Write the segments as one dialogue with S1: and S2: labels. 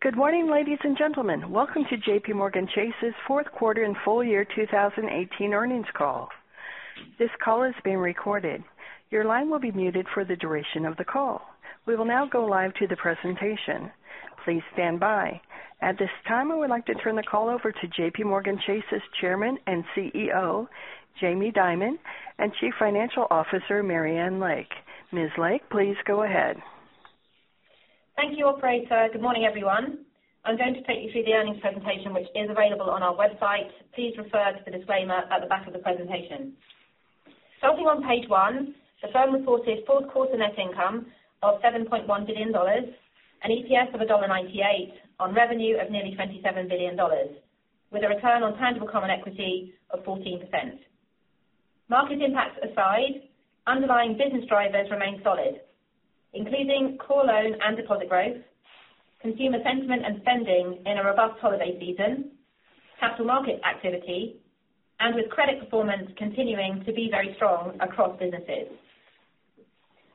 S1: Good morning, ladies and gentlemen. Welcome to JPMorgan Chase's fourth quarter and full year 2018 earnings call. This call is being recorded. Your line will be muted for the duration of the call. We will now go live to the presentation. Please stand by. At this time, I would like to turn the call over to JPMorgan Chase's Chairman and CEO, Jamie Dimon, and Chief Financial Officer, Marianne Lake. Ms. Lake, please go ahead.
S2: Thank you, operator. Good morning, everyone. I'm going to take you through the earnings presentation, which is available on our website. Please refer to the disclaimer at the back of the presentation. Starting on page one, the firm reported fourth quarter net income of $7.1 billion, an EPS of $1.98 on revenue of nearly $27 billion, with a return on tangible common equity of 14%. Market impacts aside, underlying business drivers remain solid, including core loan and deposit growth, consumer sentiment and spending in a robust holiday season, capital market activity, with credit performance continuing to be very strong across businesses.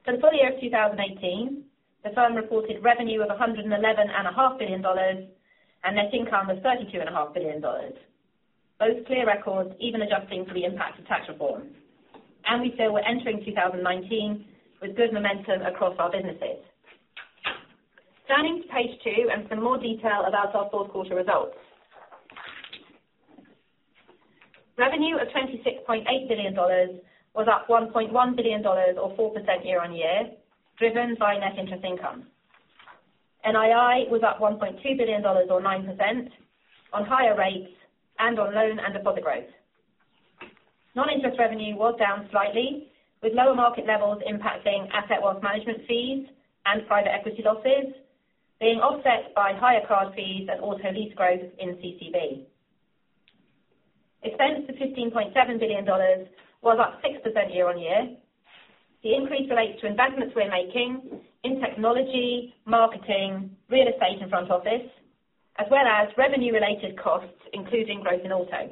S2: For the full year of 2018, the firm reported revenue of $111.5 billion and net income of $32.5 billion. Both clear records, even adjusting for the impact of tax reform. We feel we're entering 2019 with good momentum across our businesses. Turning to page two. For more detail about our fourth quarter results, revenue of $26.8 billion was up $1.1 billion or 4% year-over-year, driven by net interest income. NII was up $1.2 billion or 9% on higher rates and on loan and deposit growth. Non-interest revenue was down slightly, with lower market levels impacting asset wealth management fees and private equity losses, being offset by higher card fees and auto lease growth in CCB. Expense of $15.7 billion was up 6% year-over-year. The increase relates to investments we are making in technology, marketing, real estate, and front office, as well as revenue-related costs, including growth in auto.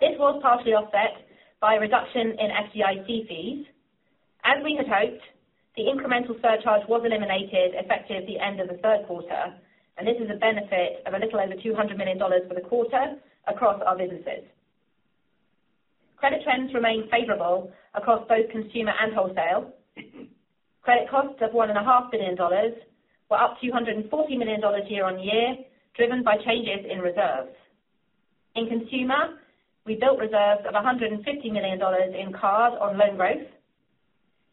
S2: This was partially offset by a reduction in FDIC fees. As we had hoped, the incremental surcharge was eliminated effective the end of the third quarter. This is a benefit of a little over $200 million for the quarter across our businesses. Credit trends remain favorable across both consumer and wholesale. Credit costs of $1.5 billion were up $240 million year-over-year, driven by changes in reserves. In consumer, we built reserves of $150 million in card on loan growth.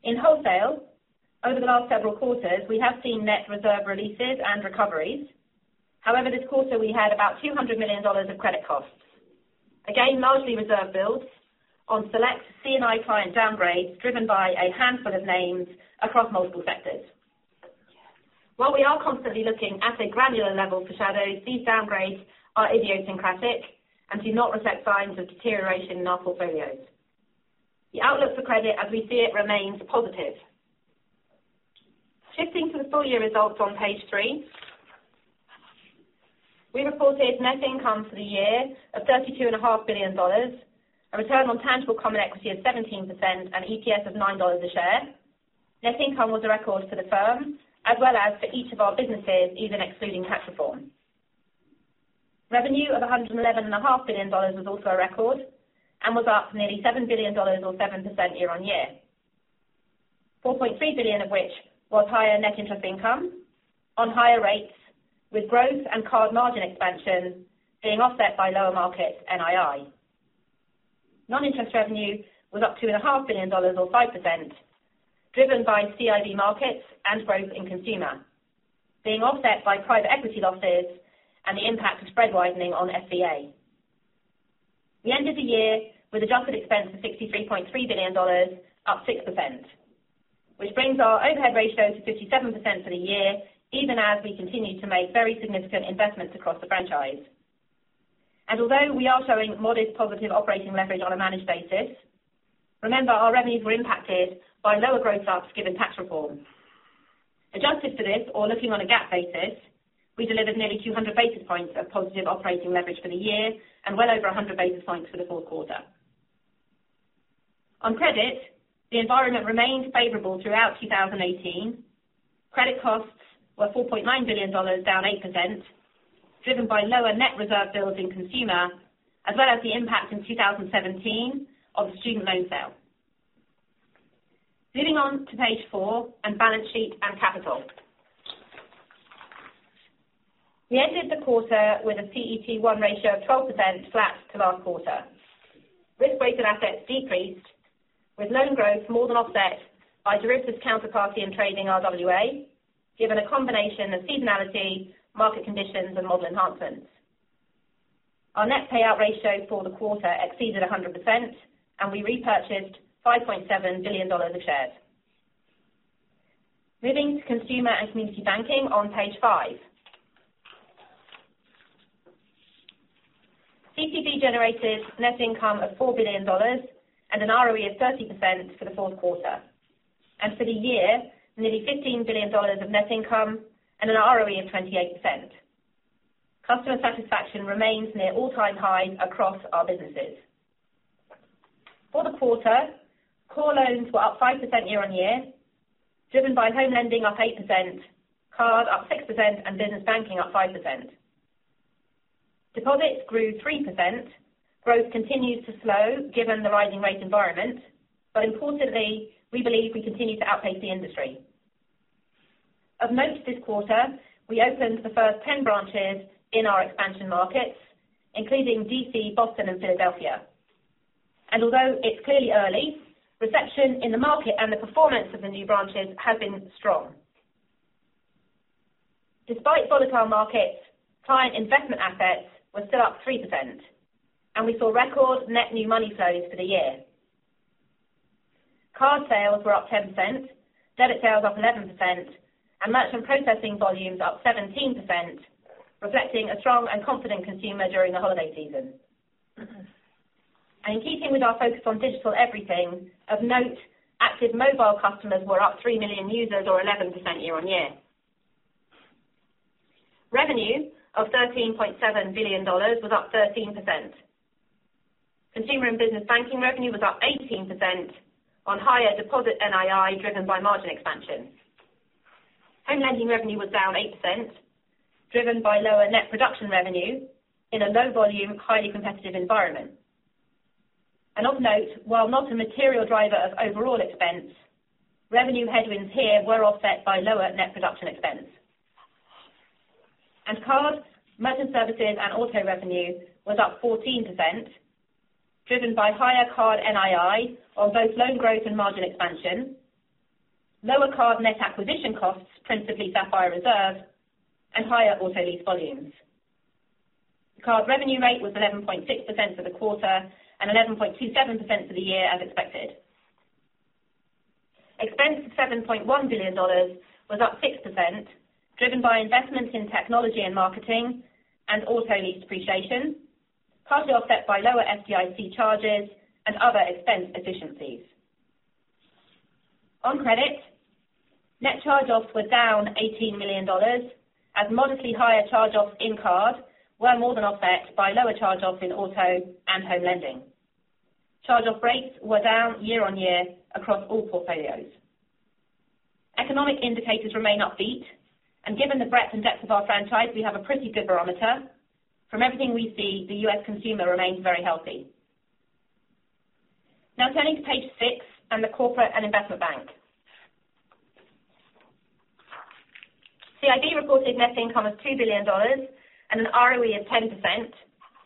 S2: In wholesale, over the last several quarters, we have seen net reserve releases and recoveries. However, this quarter we had about $200 million of credit costs. Again, largely reserve builds on select C&I client downgrades driven by a handful of names across multiple sectors. While we are constantly looking at the granular level for shadows, these downgrades are idiosyncratic and do not reflect signs of deterioration in our portfolios. The outlook for credit as we see it remains positive. Shifting to the full year results on page three. We reported net income for the year of $32.5 billion, a return on tangible common equity of 17%, and EPS of $9 a share. Net income was a record for the firm as well as for each of our businesses, even excluding tax reform. Revenue of $111.5 billion was also a record and was up nearly $7 billion or 7% year-on-year. $4.3 billion of which was higher net interest income on higher rates, with growth and card margin expansion being offset by lower market NII. Non-interest revenue was up $2.5 billion or 5%, driven by CIB markets and growth in consumer, being offset by private equity losses and the impact of spread widening on FVA. We ended the year with adjusted expense of $63.3 billion, up 6%, which brings our overhead ratio to 57% for the year, even as we continue to make very significant investments across the franchise. Although we are showing modest positive operating leverage on a managed basis, remember our revenues were impacted by lower growth ups given tax reform. Adjusted for this or looking on a GAAP basis, we delivered nearly 200 basis points of positive operating leverage for the year and well over 100 basis points for the fourth quarter. On credit, the environment remained favorable throughout 2018. Credit costs were $4.9 billion, down 8%, driven by lower net reserve builds in consumer, as well as the impact in 2017 of the student loan sale. Moving on to page four on balance sheet and capital. We ended the quarter with a CET1 ratio of 12% flat to last quarter. Risk-weighted assets decreased with loan growth more than offset by derivatives counterparty and trading RWA, given a combination of seasonality, market conditions, and model enhancements. Our net payout ratio for the quarter exceeded 100%, and we repurchased $5.7 billion of shares. Moving to Consumer & Community Banking on page five. CCB generated net income of $4 billion and an ROE of 30% for the fourth quarter, and for the year, nearly $15 billion of net income and an ROE of 28%. Customer satisfaction remains near all-time high across our businesses. For the quarter, core loans were up 5% year-on-year, driven by home lending up 8%, card up 6%, and business banking up 5%. Deposits grew 3%. Growth continues to slow given the rising rate environment, but importantly, we believe we continue to outpace the industry. Of note this quarter, we opened the first 10 branches in our expansion markets, including D.C., Boston, and Philadelphia. Although it's clearly early, reception in the market and the performance of the new branches has been strong. Despite volatile markets, client investment assets were still up 3%, and we saw record net new money flows for the year. Card sales were up 10%, debit sales up 11%, and merchant processing volumes up 17%, reflecting a strong and confident consumer during the holiday season. In keeping with our focus on digital everything, of note, active mobile customers were up three million users or 11% year-on-year. Revenue of $13.7 billion was up 13%. Consumer & Business banking revenue was up 18% on higher deposit NII, driven by margin expansion. Home lending revenue was down 8%, driven by lower net production revenue in a low volume, highly competitive environment. Of note, while not a material driver of overall expense, revenue headwinds here were offset by lower net production expense. Card, merchant services, and auto revenue was up 14%, driven by higher card NII on both loan growth and margin expansion, lower card net acquisition costs, principally Sapphire Reserve, and higher auto lease volumes. The card revenue rate was 11.6% for the quarter and 11.27% for the year, as expected. Expense of $7.1 billion was up 6%, driven by investments in technology and marketing and auto lease depreciation, partly offset by lower FDIC charges and other expense efficiencies. On credit, net charge-offs were down $18 million, as modestly higher charge-offs in card were more than offset by lower charge-offs in auto and home lending. Charge-off rates were down year-on-year across all portfolios. Economic indicators remain upbeat. Given the breadth and depth of our franchise, we have a pretty good barometer. From everything we see, the U.S. consumer remains very healthy. Turning to page six and the Corporate & Investment Bank. CIB reported net income of $2 billion and an ROE of 10%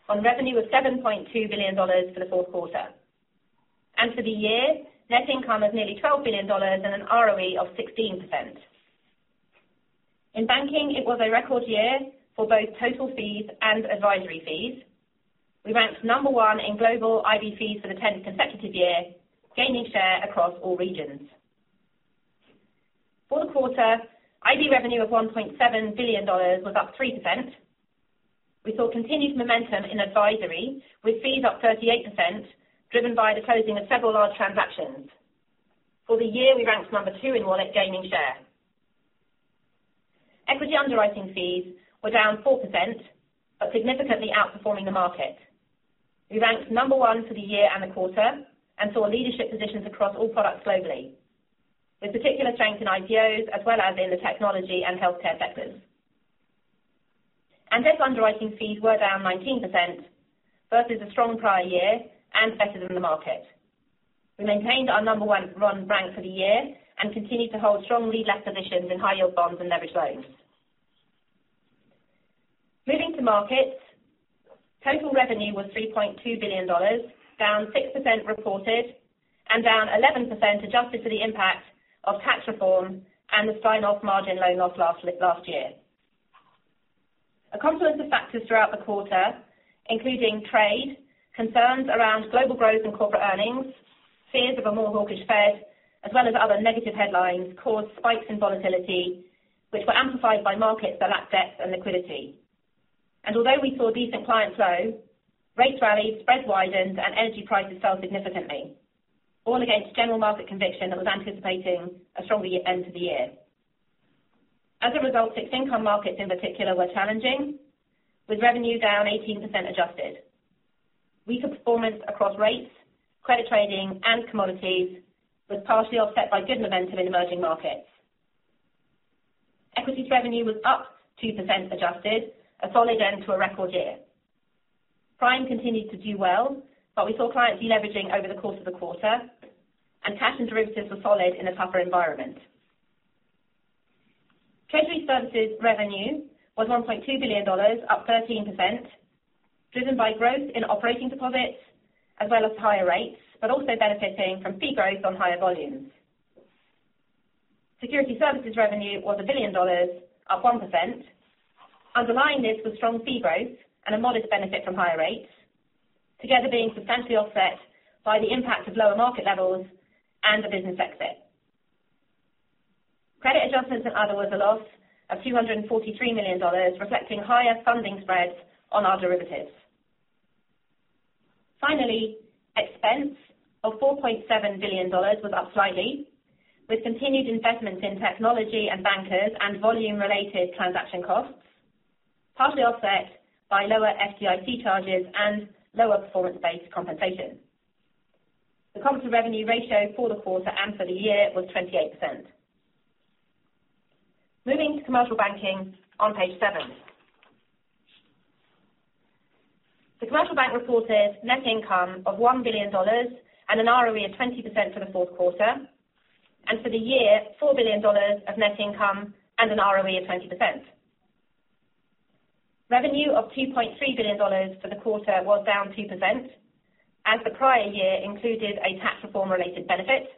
S2: on revenue of $7.2 billion for the fourth quarter. For the year, net income of nearly $12 billion and an ROE of 16%. In banking, it was a record year for both total fees and advisory fees. We ranked number one in global IB fees for the 10th consecutive year, gaining share across all regions. For the quarter, IB revenue of $1.7 billion was up 3%. We saw continued momentum in advisory with fees up 38%, driven by the closing of several large transactions. For the year, we ranked number two in wallet, gaining share. Equity underwriting fees were down 4% but significantly outperforming the market. We ranked number one for the year and the quarter and saw leadership positions across all products globally, with particular strength in IPOs as well as in the technology and healthcare sectors. Debt underwriting fees were down 19%, versus a strong prior year and better than the market. We maintained our number one rank for the year and continued to hold strong lead positions in high-yield bonds and leverage loans. Moving to markets, total revenue was $3.2 billion, down 6% reported, and down 11% adjusted for the impact of tax reform and the Steinhoff margin loan loss last year. A confluence of factors throughout the quarter, including trade, concerns around global growth and corporate earnings, fears of a more hawkish Fed, as well as other negative headlines, caused spikes in volatility, which were amplified by markets that lacked depth and liquidity. Although we saw decent client flow, rates rallied, spreads widened, and energy prices fell significantly, all against general market conviction that was anticipating a stronger end to the year. As a result, fixed income markets in particular were challenging, with revenue down 18% adjusted. Weaker performance across rates, credit trading, and commodities was partially offset by good momentum in emerging markets. Equities revenue was up 2% adjusted, a solid end to a record year. Prime continued to do well, but we saw clients deleveraging over the course of the quarter, and cash and derivatives were solid in a tougher environment. Treasury services revenue was $1.2 billion, up 13%, driven by growth in operating deposits as well as higher rates, but also benefiting from fee growth on higher volumes. Security services revenue was $1 billion, up 1%. Underlying this was strong fee growth and a modest benefit from higher rates, together being substantially offset by the impact of lower market levels and a business exit. Credit adjustments and other was a loss of $243 million, reflecting higher funding spreads on our derivatives. Finally, expense of $4.7 billion was up slightly, with continued investments in technology and bankers and volume-related transaction costs. Partially offset by lower FDIC charges and lower performance-based compensation. The cost of revenue ratio for the quarter and for the year was 28%. Moving to commercial banking on page seven. The commercial bank reported net income of $1 billion and an ROE of 20% for the fourth quarter, and for the year, $4 billion of net income and an ROE of 20%. Revenue of $2.3 billion for the quarter was down 2%, as the prior year included a tax reform related benefit.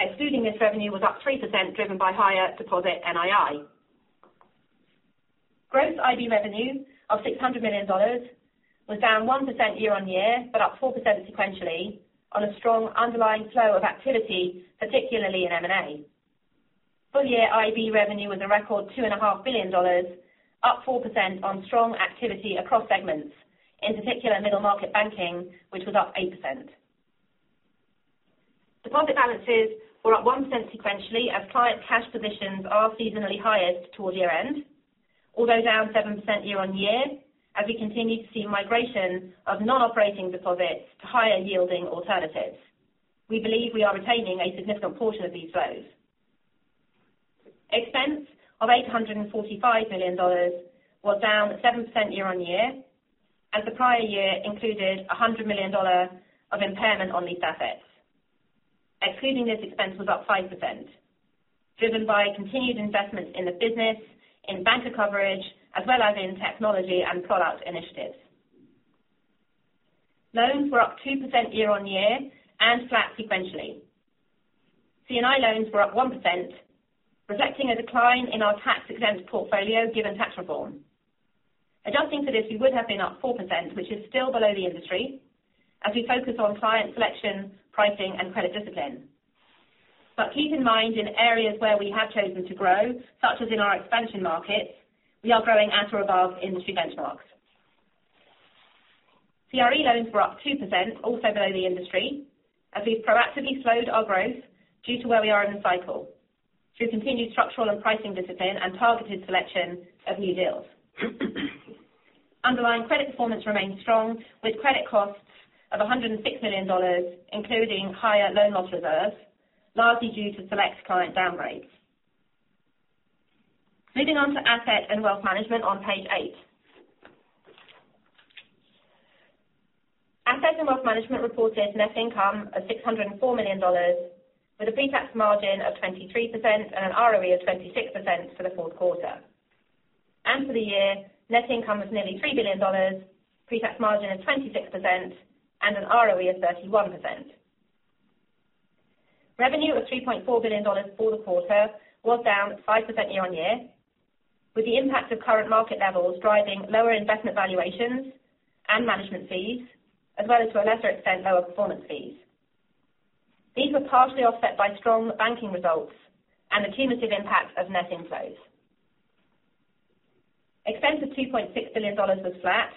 S2: Excluding this revenue was up 3%, driven by higher deposit NII. Gross IB revenue of $600 million was down 1% year-on-year, but up 4% sequentially on a strong underlying flow of activity, particularly in M&A. Full year IB revenue was a record $2.5 billion, up 4% on strong activity across segments, in particular Middle Market Banking, which was up 8%. Deposit balances were up 1% sequentially as client cash positions are seasonally highest towards year-end. Although down 7% year-on-year, as we continue to see migration of non-operating deposits to higher yielding alternatives. We believe we are retaining a significant portion of these flows. Expense of $845 million was down 7% year-on-year, as the prior year included $100 million of impairment on lease assets. Excluding this expense was up 5%, driven by continued investments in the business, in banker coverage, as well as in technology and product initiatives. Loans were up 2% year-on-year and flat sequentially. C&I loans were up 1%, reflecting a decline in our tax-exempt portfolio given tax reform. Adjusting for this, we would have been up 4%, which is still below the industry, as we focus on client selection, pricing, and credit discipline. Keep in mind, in areas where we have chosen to grow, such as in our expansion markets, we are growing at or above industry benchmarks. CRE loans were up 2%, also below the industry, as we've proactively slowed our growth due to where we are in the cycle, through continued structural and pricing discipline and targeted selection of new deals. Underlying credit performance remains strong, with credit costs of $106 million, including higher loan loss reserves, largely due to select client downgrades. Moving on to asset and wealth management on page eight. Asset and wealth management reported net income of $604 million, with a pre-tax margin of 23% and an ROE of 26% for the fourth quarter. For the year, net income was nearly $3 billion, pre-tax margin of 26%, and an ROE of 31%. Revenue of $3.4 billion for the quarter was down 5% year-on-year, with the impact of current market levels driving lower investment valuations and management fees, as well as to a lesser extent, lower performance fees. These were partially offset by strong banking results and accumulative impact of net inflows. Expense of $2.6 billion was flat,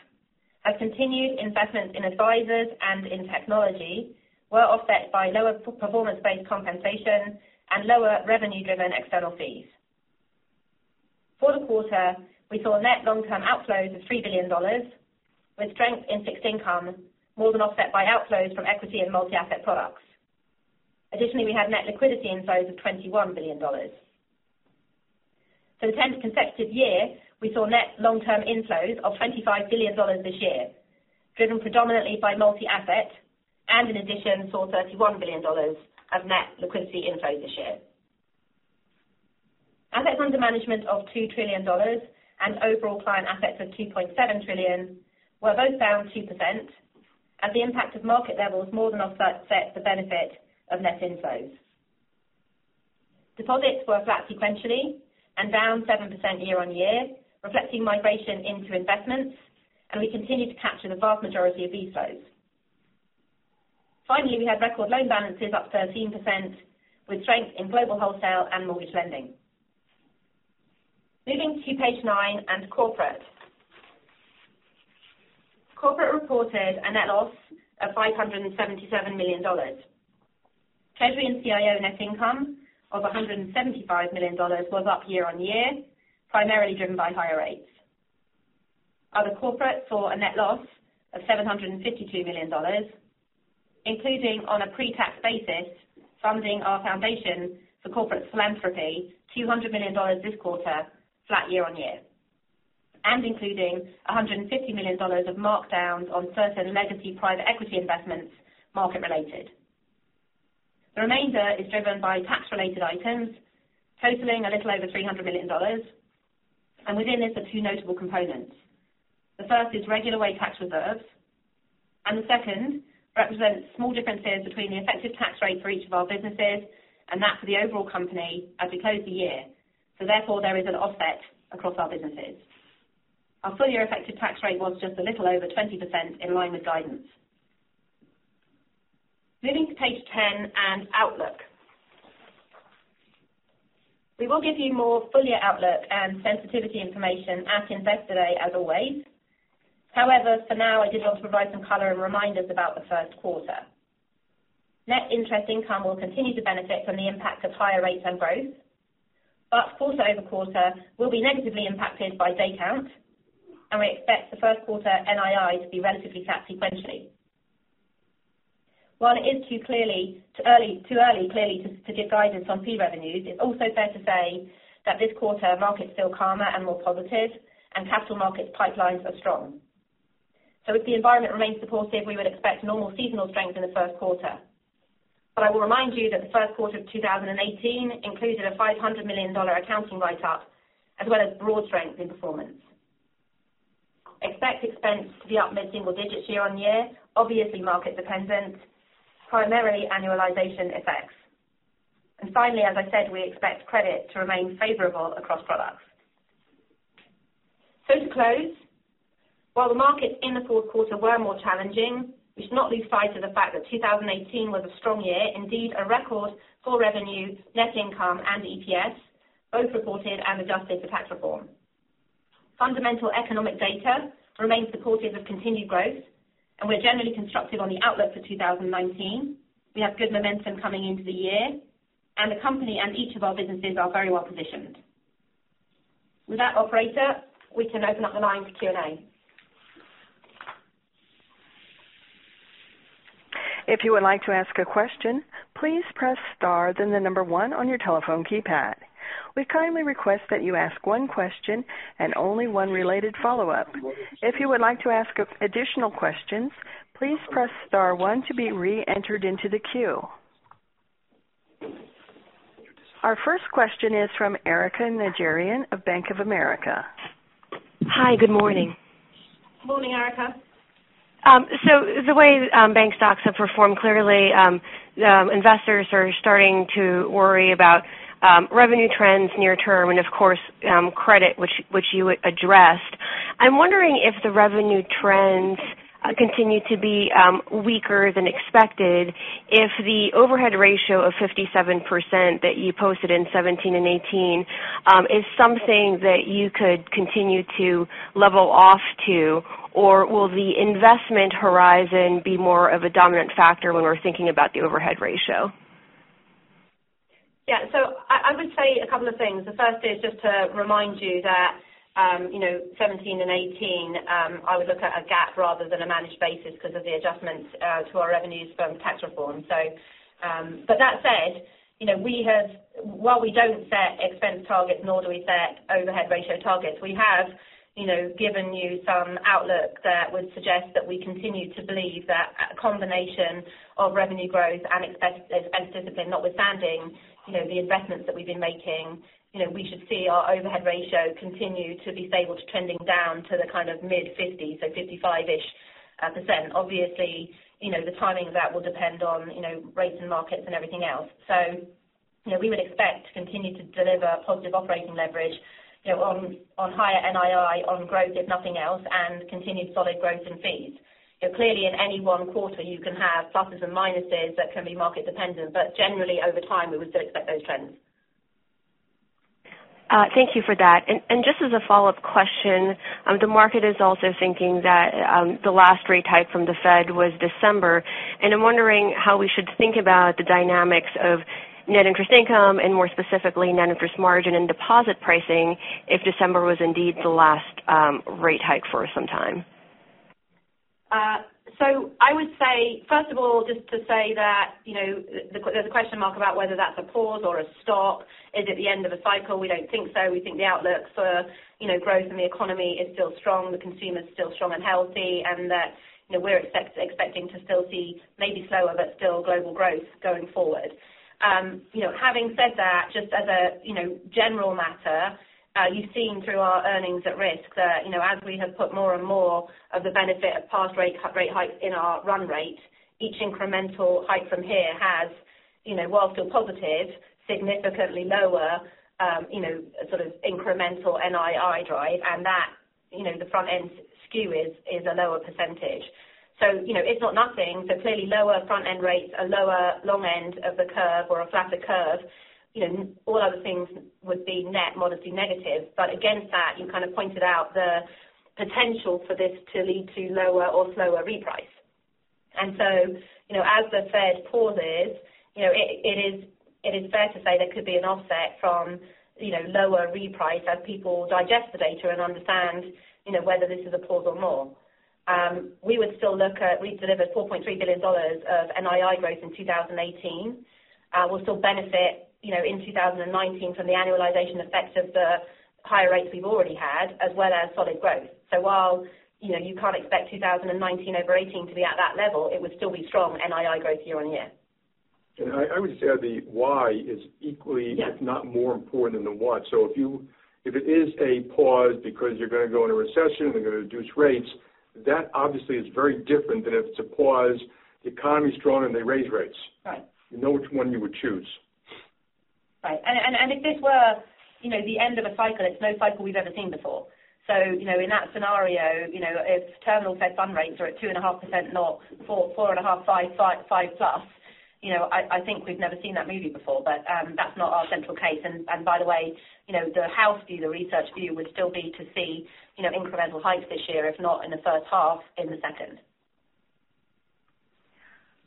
S2: as continued investments in advisors and in technology were offset by lower performance-based compensation and lower revenue-driven external fees. For the quarter, we saw net long-term outflows of $3 billion, with strength in fixed income more than offset by outflows from equity and multi-asset products. Additionally, we had net liquidity inflows of $21 billion. For the 10th consecutive year, we saw net long-term inflows of $25 billion this year, driven predominantly by multi-asset, and in addition, saw $31 billion of net liquidity inflows this year. Assets under management of $2 trillion and overall client assets of $2.7 trillion were both down 2%, as the impact of market levels more than offset the benefit of net inflows. Deposits were flat sequentially and down 7% year-on-year, reflecting migration into investments, and we continue to capture the vast majority of these flows. Finally, we had record loan balances up 13%, with strength in global wholesale and mortgage lending. Moving to page nine and Corporate. Corporate reported a net loss of $577 million. Treasury and CIO net income of $175 million was up year-on-year, primarily driven by higher rates. Other Corporate saw a net loss of $752 million, including on a pre-tax basis, funding our foundation for corporate philanthropy, $200 million this quarter, flat year-on-year. Including $150 million of markdowns on certain legacy private equity investments, market-related. The remainder is driven by tax-related items totaling a little over $300 million. Within this are two notable components. The first is regular way tax reserves, the second represents small differences between the effective tax rate for each of our businesses and that for the overall company as we close the year, therefore, there is an offset across our businesses. Our full year effective tax rate was just a little over 20%, in line with guidance. Moving to page 10 and outlook. We will give you more full year outlook and sensitivity information at Investor Day, as always. However, for now, I did want to provide some color and reminders about the first quarter. Net interest income will continue to benefit from the impact of higher rates and growth. Quarter-over-quarter will be negatively impacted by day count, and we expect the first quarter NII to be relatively flat sequentially. While it is too early, clearly, to give guidance on fee revenues, it's also fair to say that this quarter markets feel calmer and more positive, capital markets pipelines are strong. If the environment remains supportive, we would expect normal seasonal strength in the first quarter. I will remind you that the first quarter of 2018 included a $500 million accounting write-up, as well as broad strength in performance. Expect expense to be up mid-single digits year-on-year, obviously market-dependent, primarily annualization effects. Finally, as I said, we expect credit to remain favorable across products. To close, while the markets in the fourth quarter were more challenging, we should not lose sight of the fact that 2018 was a strong year, indeed, a record for revenue, net income and EPS, both reported and adjusted for tax reform. Fundamental economic data remains supportive of continued growth, we're generally constructive on the outlook for 2019. We have good momentum coming into the year, and the company and each of our businesses are very well-positioned. With that, operator, we can open up the line for Q&A.
S1: If you would like to ask a question, please press star then number one on your telephone keypad. We kindly request that you ask one question and only one related follow-up. If you would like to ask additional questions, please press star one to be re-entered into the queue. Our first question is from Erika Najarian of Bank of America.
S3: Hi, good morning.
S2: Morning, Erika.
S3: The way bank stocks have performed, clearly investors are starting to worry about revenue trends near term and of course, credit, which you addressed. I'm wondering if the revenue trends continue to be weaker than expected, if the overhead ratio of 57% that you posted in 2017 and 2018 is something that you could continue to level off to, or will the investment horizon be more of a dominant factor when we're thinking about the overhead ratio?
S2: I would say a couple of things. The first is just to remind you that, 2017 and 2018, I would look at a GAAP rather than a managed basis because of the adjustments to our revenues from tax reform. That said, while we don't set expense targets, nor do we set overhead ratio targets, we have given you some outlook that would suggest that we continue to believe that a combination of revenue growth and expense discipline, notwithstanding the investments that we've been making, we should see our overhead ratio continue to be stable to trending down to the kind of mid-50s, so 55-ish%. Obviously, the timing of that will depend on rates and markets and everything else. We would expect to continue to deliver positive operating leverage on higher NII, on growth if nothing else, and continued solid growth in fees. Clearly in any one quarter, you can have pluses and minuses that can be market dependent. Generally over time, we would still expect those trends.
S3: Thank you for that. Just as a follow-up question, the market is also thinking that the last rate hike from the Fed was December. I'm wondering how we should think about the dynamics of net interest income and more specifically, net interest margin and deposit pricing if December was indeed the last rate hike for some time.
S2: I would say, first of all, just to say that there's a question mark about whether that's a pause or a stop. Is it the end of a cycle? We don't think so. We think the outlook for growth in the economy is still strong, the consumer is still strong and healthy, and that we're expecting to still see maybe slower but still global growth going forward. Having said that, just as a general matter, you've seen through our earnings at risk that as we have put more and more of the benefit of past rate hikes in our run rate, each incremental hike from here has, while still positive, significantly lower incremental NII drive, and that the front-end skew is a lower percentage. It's not nothing, but clearly lower front-end rates, a lower long end of the curve or a flatter curve, all other things would be net modestly negative. Against that, you pointed out the potential for this to lead to lower or slower reprice. As the Fed pauses, it is fair to say there could be an offset from lower reprice as people digest the data and understand whether this is a pause or more. We would still look at we delivered $4.3 billion of NII growth in 2018. We'll still benefit in 2019 from the annualization effect of the higher rates we've already had, as well as solid growth. While you can't expect 2019 over 2018 to be at that level, it would still be strong NII growth year-on-year.
S4: I would say the why is.
S2: Yes
S4: It is if not more important than the what. If it is a pause because you're going to go in a recession, we're going to reduce rates, that obviously is very different than if it's a pause, the economy's strong, and they raise rates.
S2: Right.
S4: You know which one you would choose.
S2: If this were the end of a cycle, it's no cycle we've ever seen before. In that scenario, if terminal Fed fund rates are at 2.5% not 4.5%, 5+%, I think we've never seen that movie before. That's not our central case. By the way, the house view, the research view would still be to see incremental hikes this year, if not in the first half, in the second.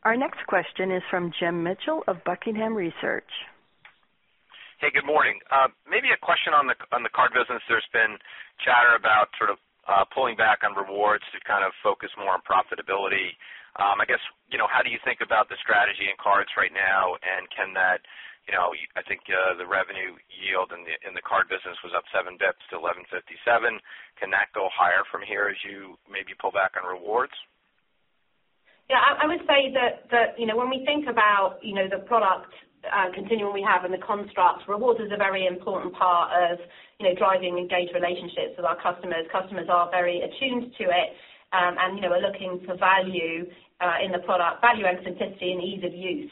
S1: Our next question is from Jim Mitchell of Buckingham Research.
S5: Hey, good morning. Maybe a question on the card business. There's been chatter about sort of pulling back on rewards to kind of focus more on profitability. I guess, how do you think about the strategy in cards right now? I think the revenue yield in the card business was up seven basis points to 11.57%. Can that go higher from here as you maybe pull back on rewards?
S2: Yeah. I would say that when we think about the product continuum we have and the constructs, rewards is a very important part of driving engaged relationships with our customers. Customers are very attuned to it. We're looking for value in the product. Value and simplicity and ease of use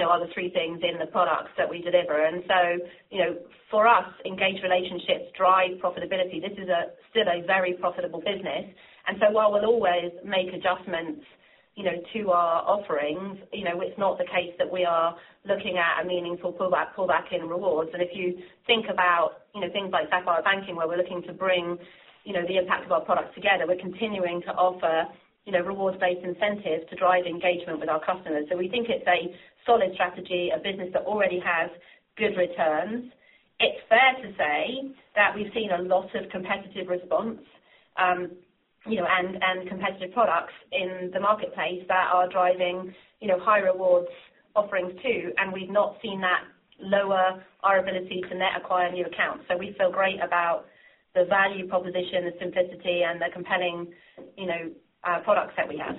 S2: are the three things in the products that we deliver. For us, engaged relationships drive profitability. This is still a very profitable business. While we'll always make adjustments to our offerings, it's not the case that we are looking at a meaningful pullback in rewards. If you think about things like Sapphire Banking, where we're looking to bring the impact of our products together, we're continuing to offer rewards-based incentives to drive engagement with our customers. We think it's a solid strategy, a business that already has good returns. It's fair to say that we've seen a lot of competitive response and competitive products in the marketplace that are driving high rewards offerings too. We've not seen that lower our ability to net acquire new accounts. We feel great about the value proposition, the simplicity, and the compelling products that we have.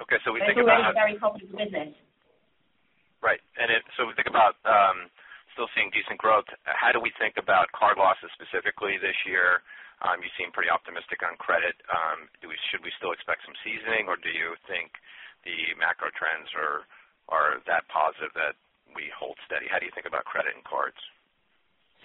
S5: Okay.
S2: It's always a very profitable business.
S5: Right. We think about still seeing decent growth. How do we think about card losses specifically this year? You seem pretty optimistic on credit. Should we still expect some seasoning, or do you think the macro trends are that positive that we hold steady? How do you think about credit in cards?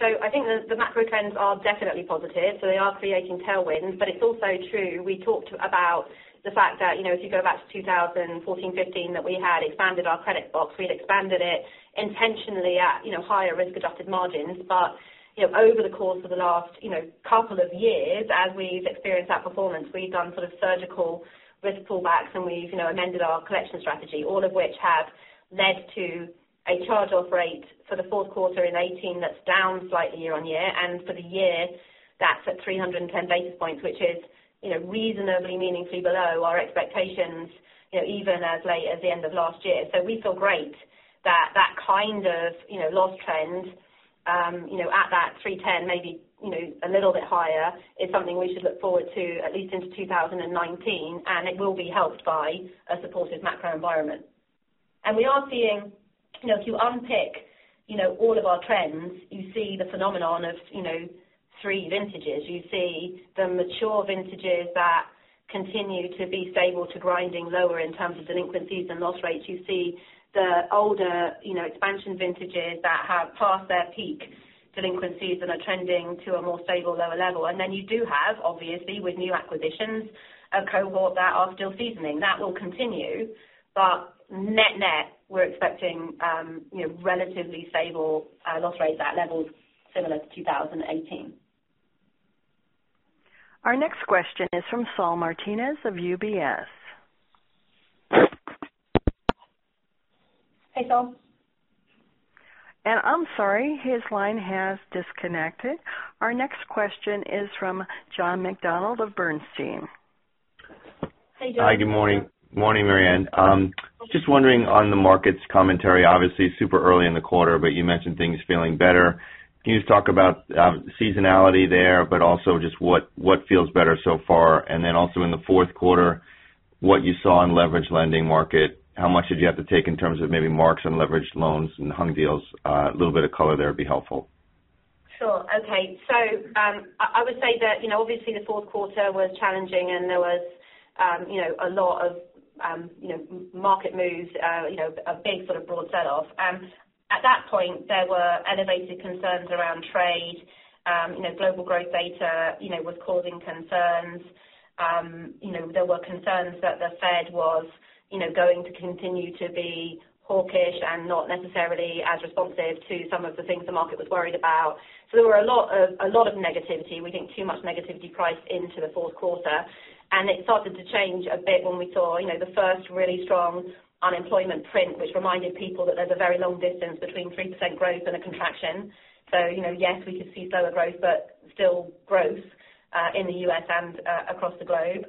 S2: I think the macro trends are definitely positive, they are creating tailwinds. It's also true, we talked about the fact that if you go back to 2014, 2015, that we had expanded our credit box. We had expanded it intentionally at higher risk-adjusted margins. Over the course of the last couple of years, as we've experienced that performance, we've done sort of surgical risk pullbacks and we've amended our collection strategy. All of which have led to a charge-off rate for the fourth quarter in 2018 that's down slightly year-on-year. For the year, that's at 310 basis points, which is reasonably meaningfully below our expectations, even as late as the end of last year. We feel great that that kind of loss trend at that 310, maybe a little bit higher, is something we should look forward to at least into 2019, it will be helped by a supportive macro environment. We are seeing if you unpick all of our trends, you see the phenomenon of three vintages. You see the mature vintages that continue to be stable to grinding lower in terms of delinquencies and loss rates. You see the older expansion vintages that have passed their peak delinquencies and are trending to a more stable lower level. You do have, obviously, with new acquisitions, a cohort that are still seasoning. That will continue, but net-net, we're expecting relatively stable loss rates at levels similar to 2018.
S1: Our next question is from Saul Martinez of UBS.
S2: Hey, Saul.
S1: I'm sorry, his line has disconnected. Our next question is from John McDonald of Bernstein.
S2: Hey, John.
S6: Hi. Good morning. Morning, Marianne. Just wondering on the markets commentary, obviously super early in the quarter, but you mentioned things feeling better. Can you just talk about seasonality there, but also just what feels better so far? Then also in the fourth quarter, what you saw in leveraged lending market, how much did you have to take in terms of maybe marks on leveraged loans and hung deals? A little bit of color there would be helpful.
S2: Sure. Okay. I would say that obviously the fourth quarter was challenging and there was a lot of market moves, a big sort of broad sell-off. At that point, there were elevated concerns around trade. Global growth data was causing concerns. There were concerns that the Fed was going to continue to be hawkish and not necessarily as responsive to some of the things the market was worried about. There were a lot of negativity. We think too much negativity priced into the fourth quarter. It started to change a bit when we saw the first really strong unemployment print, which reminded people that there's a very long distance between 3% growth and a contraction. Yes, we could see slower growth, but still growth in the U.S. and across the globe.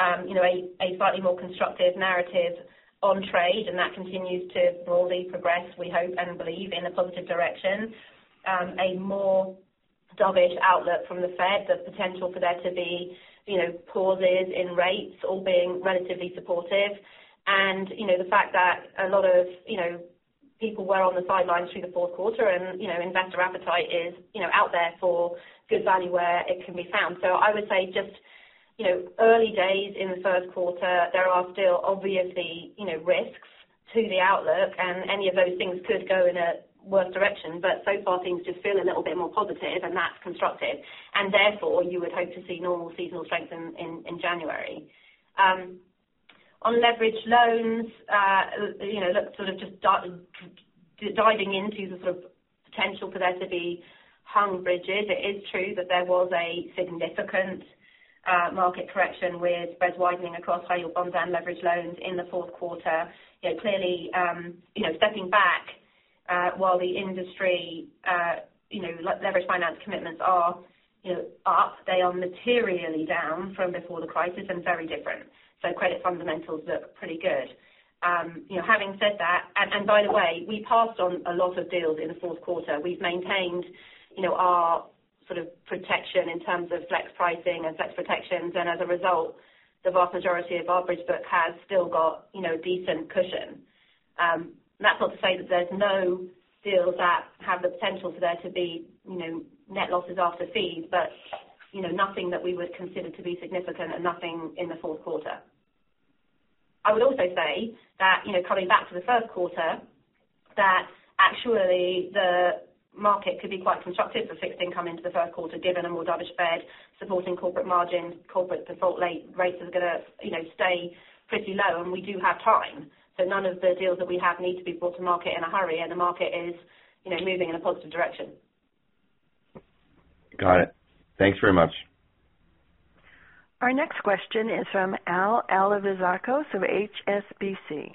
S2: A slightly more constructive narrative on trade, that continues to broadly progress, we hope and believe, in a positive direction. A more dovish outlook from the Fed, the potential for there to be pauses in rates all being relatively supportive. The fact that a lot of people were on the sidelines through the fourth quarter and investor appetite is out there for good value where it can be found. I would say just early days in the first quarter, there are still obviously risks to the outlook and any of those things could go in a worse direction. So far things just feel a little bit more positive and that's constructive. Therefore you would hope to see normal seasonal strength in January. On leverage loans. Look, sort of just diving into the sort of potential for there to be hung bridges. It is true that there was a significant market correction with spreads widening across high yield bonds and leverage loans in the fourth quarter. Clearly, stepping back while the industry leverage finance commitments are up, they are materially down from before the crisis and very different. Credit fundamentals look pretty good. Having said that, by the way, we passed on a lot of deals in the fourth quarter. We've maintained our sort of protection in terms of flex pricing and flex protections, as a result, the vast majority of our bridge book has still got decent cushion. That's not to say that there's no deals that have the potential for there to be net losses after fees, but nothing that we would consider to be significant and nothing in the fourth quarter. I would also say that, coming back to the first quarter, that actually the market could be quite constructive for fixed income into the first quarter, given a more dovish Fed supporting corporate margins, corporate default rate is going to stay pretty low, we do have time. None of the deals that we have need to be brought to market in a hurry, the market is moving in a positive direction.
S6: Got it. Thanks very much.
S1: Our next question is from Al Alevizakos of HSBC.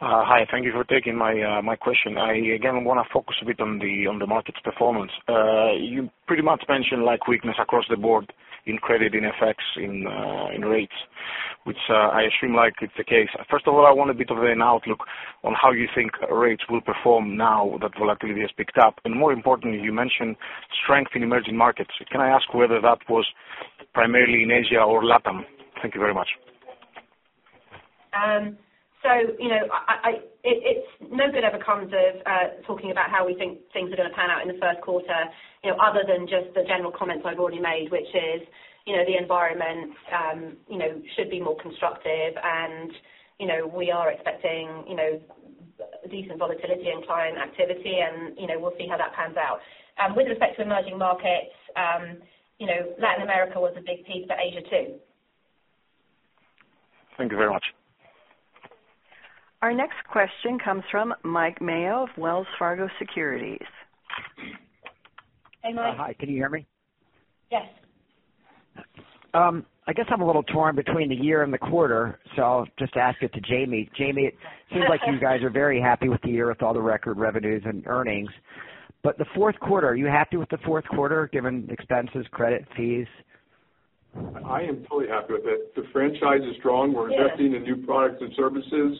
S7: Hi. Thank you for taking my question. I, again, want to focus a bit on the market's performance. You pretty much mentioned weakness across the board in credit, in FX, in rates, which I assume it's the case. First of all, I want a bit of an outlook on how you think rates will perform now that volatility has picked up. More importantly, you mentioned strength in emerging markets. Can I ask whether that was primarily in Asia or LATAM? Thank you very much.
S2: No good ever comes of talking about how we think things are going to pan out in the first quarter, other than just the general comments I've already made, which is the environment should be more constructive, and we are expecting decent volatility and client activity, and we'll see how that pans out. With respect to emerging markets, Latin America was a big piece, but Asia too.
S7: Thank you very much.
S1: Our next question comes from Mike Mayo of Wells Fargo Securities.
S2: Hey, Mike.
S8: Hi, can you hear me?
S2: Yes.
S8: I guess I'm a little torn between the year and the quarter. I'll just ask it to Jamie. Jamie, it seems like you guys are very happy with the year with all the record revenues and earnings. The fourth quarter, are you happy with the fourth quarter given expenses, credit fees?
S4: I am totally happy with it. The franchise is strong.
S2: Yes.
S4: We're investing in new products and services.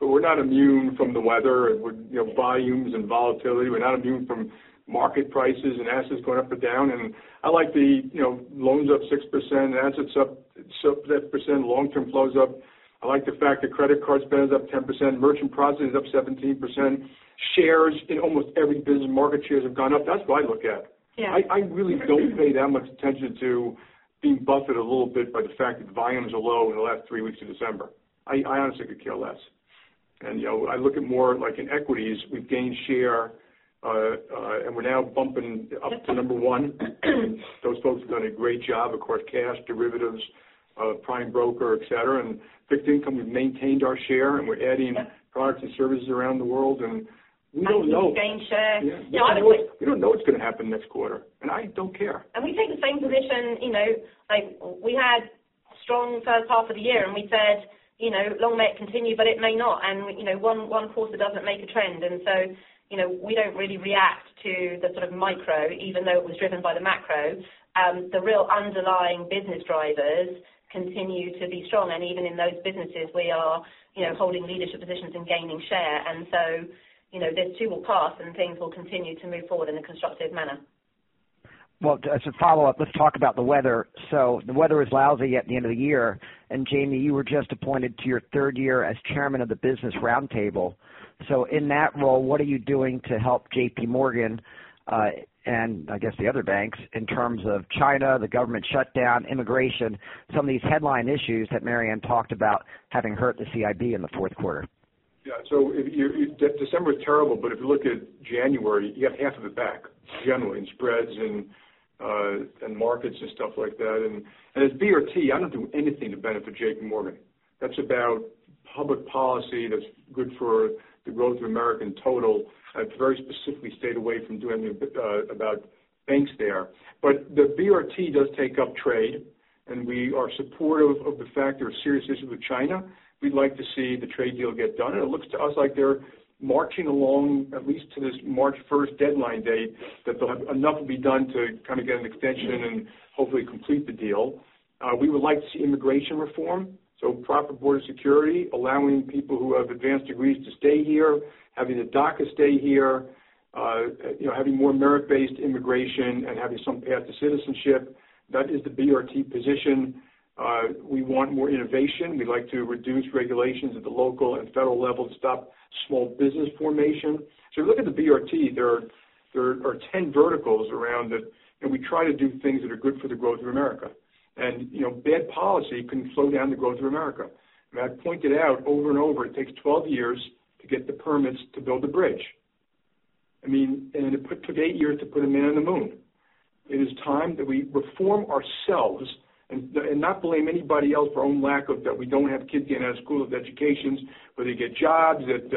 S4: We're not immune from the weather and volumes and volatility. We're not immune from market prices and assets going up or down. I like the loans up 6%, assets up 7%, long-term flows up. I like the fact that credit card spend is up 10%, merchant processing is up 17%. Shares in almost every business, market shares have gone up. That's what I look at.
S2: Yeah.
S4: I really don't pay that much attention to being buffeted a little bit by the fact that volumes are low in the last three weeks of December. I honestly could care less. I look at more like in equities, we've gained share, and we're now bumping up to number one. Those folks have done a great job across cash derivatives, prime broker, et cetera. Fixed income, we've maintained our share, and we're adding products and services around the world, and we don't know.
S2: Bank fees gained share.
S4: Yeah. We don't know what's going to happen next quarter, I don't care.
S2: We take the same position. We had a strong first half of the year, and we said long may it continue, but it may not. One quarter doesn't make a trend. So we don't really react to the sort of micro, even though it was driven by the macro. The real underlying business drivers continue to be strong. Even in those businesses, we are holding leadership positions and gaining share. So this too will pass, and things will continue to move forward in a constructive manner.
S8: Well, as a follow-up, let's talk about the weather. The weather is lousy at the end of the year. Jamie, you were just appointed to your third year as chairman of the Business Roundtable. In that role, what are you doing to help JPMorgan, and I guess the other banks, in terms of China, the government shutdown, immigration, some of these headline issues that Marianne talked about having hurt the CIB in the fourth quarter?
S4: Yeah. December is terrible, if you look at January, you have half of it back generally in spreads and markets and stuff like that. As BRT, I don't do anything to benefit JPMorgan. That's about public policy that's good for the growth of America in total. I've very specifically stayed away from doing about banks there. The BRT does take up trade, and we are supportive of the fact there are serious issues with China. We'd like to see the trade deal get done. It looks to us like they're marching along, at least to this March 1st deadline date, that enough will be done to kind of get an extension and hopefully complete the deal. We would like to see immigration reform, so proper border security, allowing people who have advanced degrees to stay here, having the DACA stay here, having more merit-based immigration, and having some path to citizenship. That is the BRT position. We want more innovation. We'd like to reduce regulations at the local and federal level to stop small business formation. If you look at the BRT, there are 10 verticals around it, and we try to do things that are good for the growth of America. Bad policy can slow down the growth of America. I pointed out over and over, it takes 12 years to get the permits to build a bridge. I mean, it took eight years to put a man on the moon. It is time that we reform ourselves and not blame anybody else for our own lack of, that we don't have kids getting out of school with educations, where they get jobs, that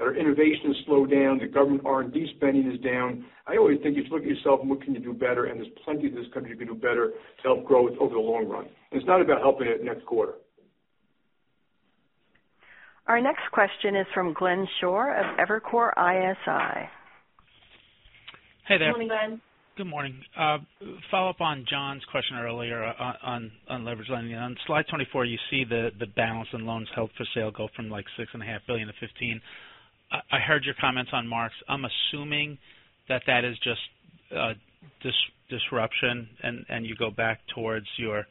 S4: our innovation has slowed down, the government R&D spending is down. I always think you should look at yourself and what can you do better, and there's plenty this country can do better to help growth over the long run. It's not about helping it next quarter.
S1: Our next question is from Glenn Schorr of Evercore ISI.
S9: Hey there.
S2: Good morning, Glenn.
S9: Good morning. Follow up on John's question earlier on leverage lending. On slide 24, you see the balance in loans held for sale go from like $6.5 billion-$15 billion. I heard your comments on marks. I'm assuming that that is just disruption and you go back towards your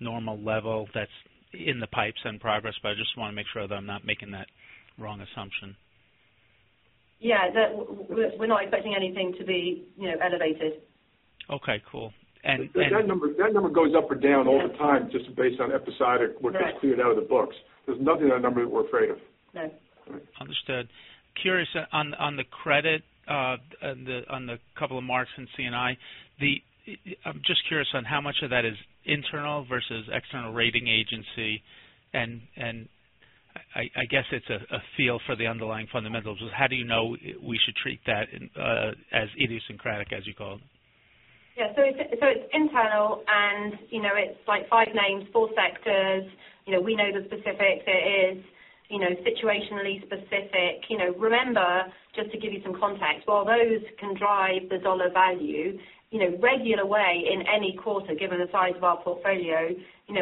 S9: normal level that's in the pipes in progress. I just want to make sure that I'm not making that wrong assumption.
S2: Yeah. We're not expecting anything to be elevated.
S9: Okay, cool.
S4: That number goes up or down all the time just based on episodic.
S2: Right
S4: We're just cleared out of the books. There's nothing in that number that we're afraid of.
S2: No.
S9: Understood. Curious on the credit, on the couple of marks in C&I. I'm just curious on how much of that is internal versus external rating agency, and I guess it's a feel for the underlying fundamentals. How do you know we should treat that as idiosyncratic, as you called it?
S2: Yeah. It's internal and it's like five names, four sectors. We know the specifics. It is situationally specific. Remember, just to give you some context, while those can drive the dollar value, regular way in any quarter, given the size of our portfolio,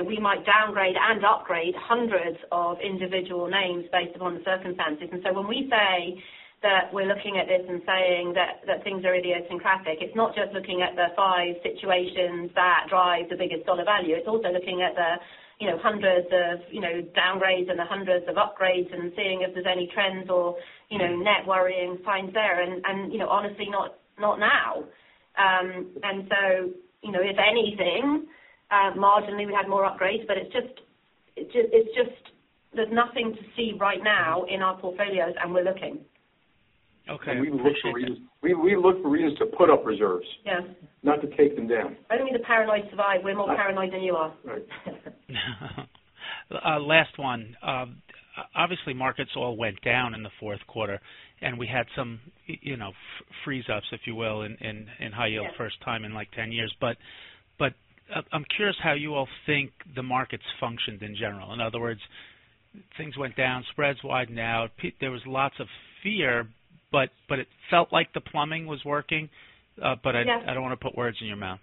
S2: we might downgrade and upgrade hundreds of individual names based upon the circumstances. When we say that we're looking at this and saying that things are idiosyncratic, it's not just looking at the five situations that drive the biggest dollar value. It's also looking at the hundreds of downgrades and the hundreds of upgrades and seeing if there's any trends or net worrying signs there. Honestly, not now. If anything, marginally we had more upgrades, but it's just there's nothing to see right now in our portfolios and we're looking.
S9: Okay.
S4: We look for reasons to put up reserves.
S2: Yeah.
S4: Not to take them down.
S2: Only the paranoid survive. We're more paranoid than you are.
S4: Right.
S9: Last one. Obviously, markets all went down in the fourth quarter, and we had some freeze-ups, if you will, in high yield.
S2: Yeah
S9: First time in like 10 years. I'm curious how you all think the markets functioned in general. In other words, things went down, spreads widened out. There was lots of fear, but it felt like the plumbing was working.
S2: Yeah
S9: I don't want to put words in your mouth.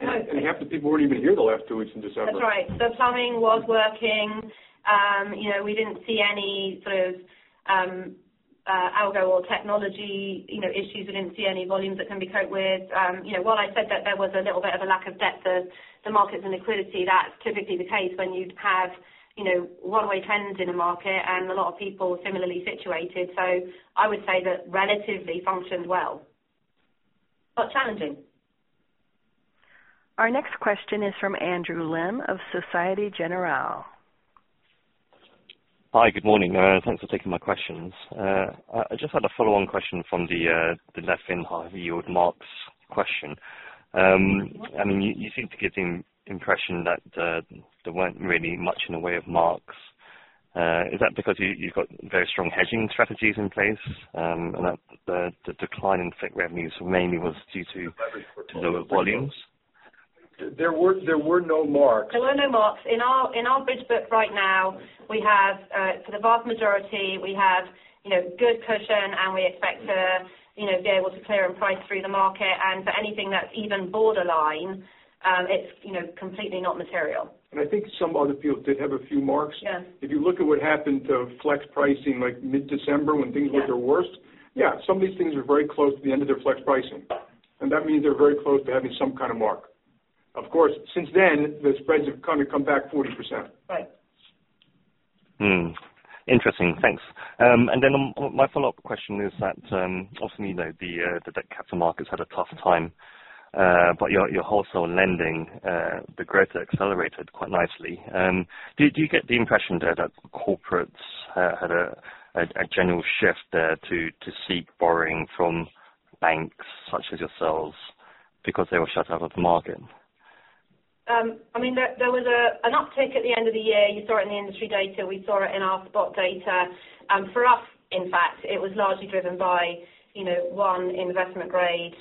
S4: Half the people weren't even here the last two weeks in December.
S2: That's right. Plumbing was working. We didn't see any sort of algo or technology issues. We didn't see any volumes that couldn't be coped with. While I said that there was a little bit of a lack of depth of the markets and liquidity, that's typically the case when you'd have one-way trends in a market and a lot of people similarly situated. I would say that relatively functioned well, but challenging.
S1: Our next question is from Andrew Lim of Société Générale.
S10: Hi. Good morning. Thanks for taking my questions. I just had a follow-on question from the net fin, high yield marks question. You seem to give the impression that there weren't really much in the way of marks. Is that because you've got very strong hedging strategies in place, and that the decline in FICC revenues mainly was due to lower volumes?
S4: There were no marks.
S2: There were no marks. In our bridge book right now, for the vast majority, we have good cushion, and we expect to be able to clear and price through the market. For anything that's even borderline, it's completely not material.
S4: I think some other deals did have a few marks.
S2: Yeah.
S4: If you look at what happened to flex pricing, like mid-December when things were their worst. Yeah, some of these things were very close to the end of their flex pricing. That means they're very close to having some kind of mark. Of course, since then, the spreads have kind of come back 40%.
S2: Right.
S10: Hmm. Interesting. Thanks. My follow-up question is that, obviously, the debt capital markets had a tough time. Your wholesale lending, the growth accelerated quite nicely. Do you get the impression there that corporates had a general shift there to seek borrowing from banks such as yourselves because they were shut out of the market?
S2: There was an uptick at the end of the year. You saw it in the industry data. We saw it in our spot data. For us, in fact, it was largely driven by one investment grade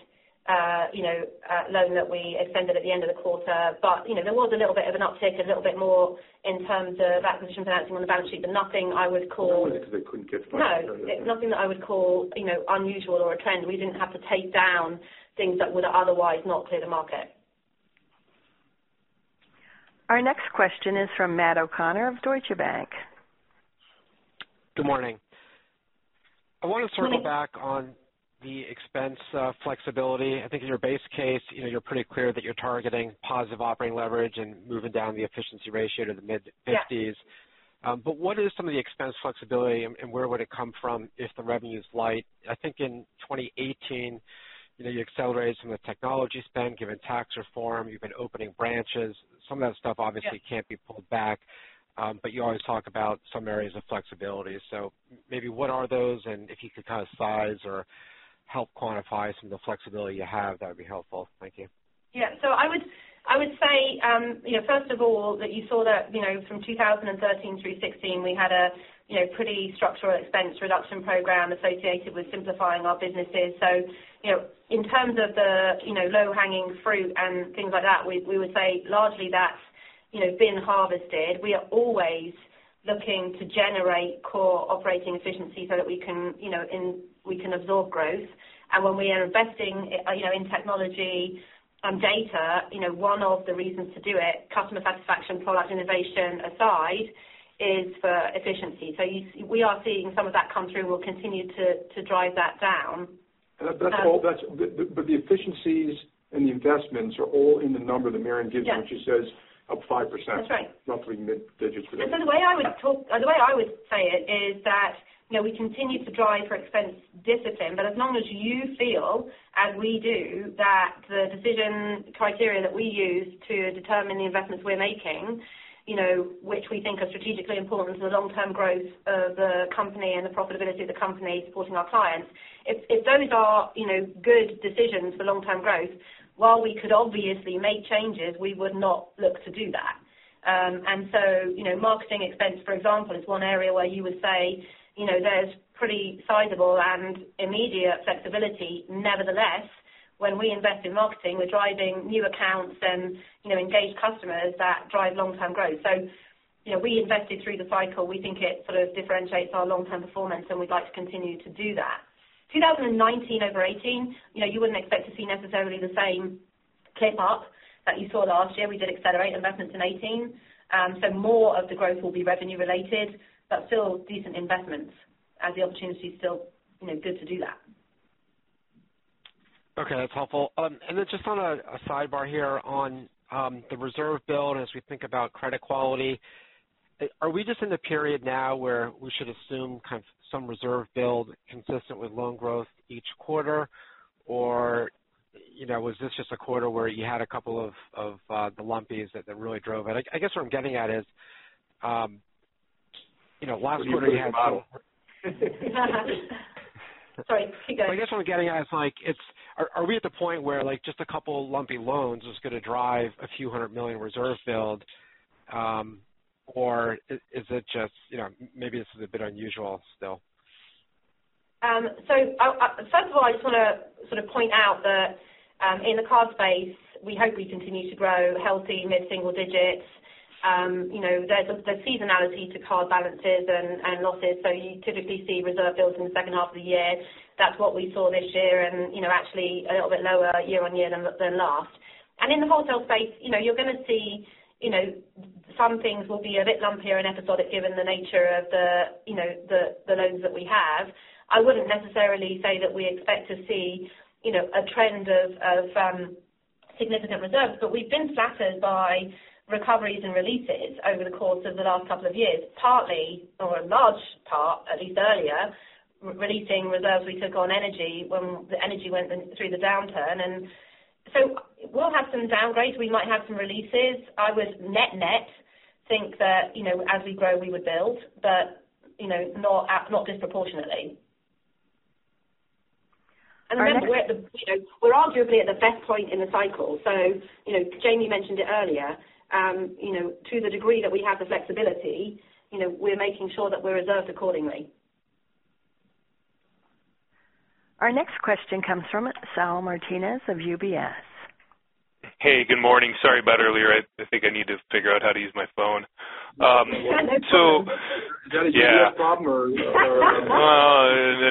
S2: loan that we extended at the end of the quarter. There was a little bit of an uptick, a little bit more in terms of acquisition financing on the balance sheet, but nothing I would call.
S4: It wasn't because they couldn't get financing earlier.
S2: No. Nothing that I would call unusual or a trend. We didn't have to take down things that would otherwise not clear the market.
S1: Our next question is from Matthew O'Connor of Deutsche Bank.
S11: Good morning. I want to circle back.
S2: Good morning.
S11: On the expense flexibility. I think in your base case, you're pretty clear that you're targeting positive operating leverage and moving down the efficiency ratio to the mid-50s.
S2: Yeah.
S11: What is some of the expense flexibility, and where would it come from if the revenue is light? I think in 2018, you accelerated some of the technology spend given tax reform. You've been opening branches. Some of that stuff obviously can't be pulled back. You always talk about some areas of flexibility. Maybe what are those? If you could kind of size or help quantify some of the flexibility you have, that would be helpful. Thank you.
S2: Yeah. I would say, first of all, that you saw that from 2013 through 2016, we had a pretty structural expense reduction program associated with simplifying our businesses. In terms of the low-hanging fruit and things like that, we would say largely that's been harvested. We are always looking to generate core operating efficiency so that we can absorb growth. When we are investing in technology and data, one of the reasons to do it, customer satisfaction, product innovation aside, is for efficiency. We are seeing some of that come through. We'll continue to drive that down.
S4: The efficiencies and the investments are all in the number that Marianne gives.
S2: Yeah
S4: When she says up 5%.
S2: That's right.
S4: Roughly mid-digits.
S2: The way I would say it is that we continue to drive for expense discipline, but as long as you feel, as we do, that the decision criteria that we use to determine the investments we're making which we think are strategically important to the long-term growth of the company and the profitability of the company supporting our clients. If those are good decisions for long-term growth, while we could obviously make changes, we would not look to do that. Marketing expense, for example, is one area where you would say there's pretty sizable and immediate flexibility. Nevertheless, when we invest in marketing, we're driving new accounts and engaged customers that drive long-term growth. We invested through the cycle. We think it sort of differentiates our long-term performance, and we'd like to continue to do that. 2019 over 2018, you wouldn't expect to see necessarily the same clip up that you saw last year. We did accelerate investments in 2018. More of the growth will be revenue related, but still decent investments as the opportunity is still good to do that.
S11: Okay. That's helpful. Just on a sidebar here on the reserve build, as we think about credit quality, are we just in the period now where we should assume some reserve build consistent with loan growth each quarter? Or was this just a quarter where you had a couple of the lumpies that really drove it? I guess where I'm getting at is.
S4: Could you repeat the model?
S2: Sorry. You go ahead.
S11: I guess what I'm getting at is are we at the point where just a couple lumpy loans is going to drive a few hundred million reserve build? Or is it just maybe this is a bit unusual still?
S2: First of all, I just want to sort of point out that in the card space, we hope we continue to grow healthy mid-single digits. There's a seasonality to card balances and losses. You typically see reserve builds in the second half of the year. That's what we saw this year and actually a little bit lower year-over-year than last. In the wholesale space, you're going to see some things will be a bit lumpier and episodic given the nature of the loans that we have. I wouldn't necessarily say that we expect to see a trend of significant reserves, but we've been flattered by recoveries and releases over the course of the last couple of years, partly or a large part, at least earlier, releasing reserves we took on energy when the energy went through the downturn. We'll have some downgrades. We might have some releases. I would net-net think that as we grow, we would build, but not disproportionately. Remember we're arguably at the best point in the cycle. Jamie mentioned it earlier. To the degree that we have the flexibility, we're making sure that we're reserved accordingly.
S1: Our next question comes from Saul Martinez of UBS.
S12: Hey, good morning. Sorry about earlier. I think I need to figure out how to use my phone.
S2: That's okay.
S4: Is that a UBS problem or?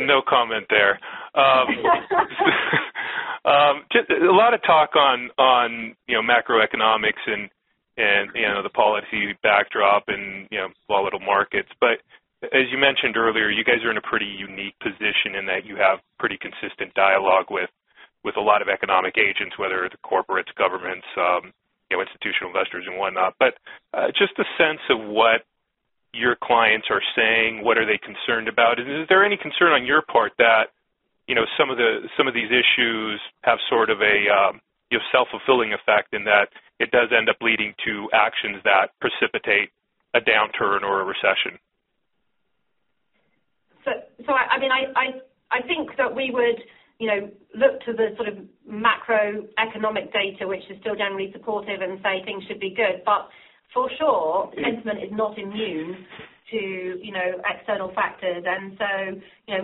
S12: No comment there. A lot of talk on macroeconomics and the policy backdrop and volatile markets. As you mentioned earlier, you guys are in a pretty unique position in that you have pretty consistent dialogue with a lot of economic agents, whether it's corporates, governments, institutional investors and whatnot. Just a sense of what your clients are saying, what are they concerned about? Is there any concern on your part that some of these issues have sort of a self-fulfilling effect in that it does end up leading to actions that precipitate a downturn or a recession?
S2: I think that we would look to the sort of macroeconomic data, which is still generally supportive and say things should be good. For sure, sentiment is not immune to external factors.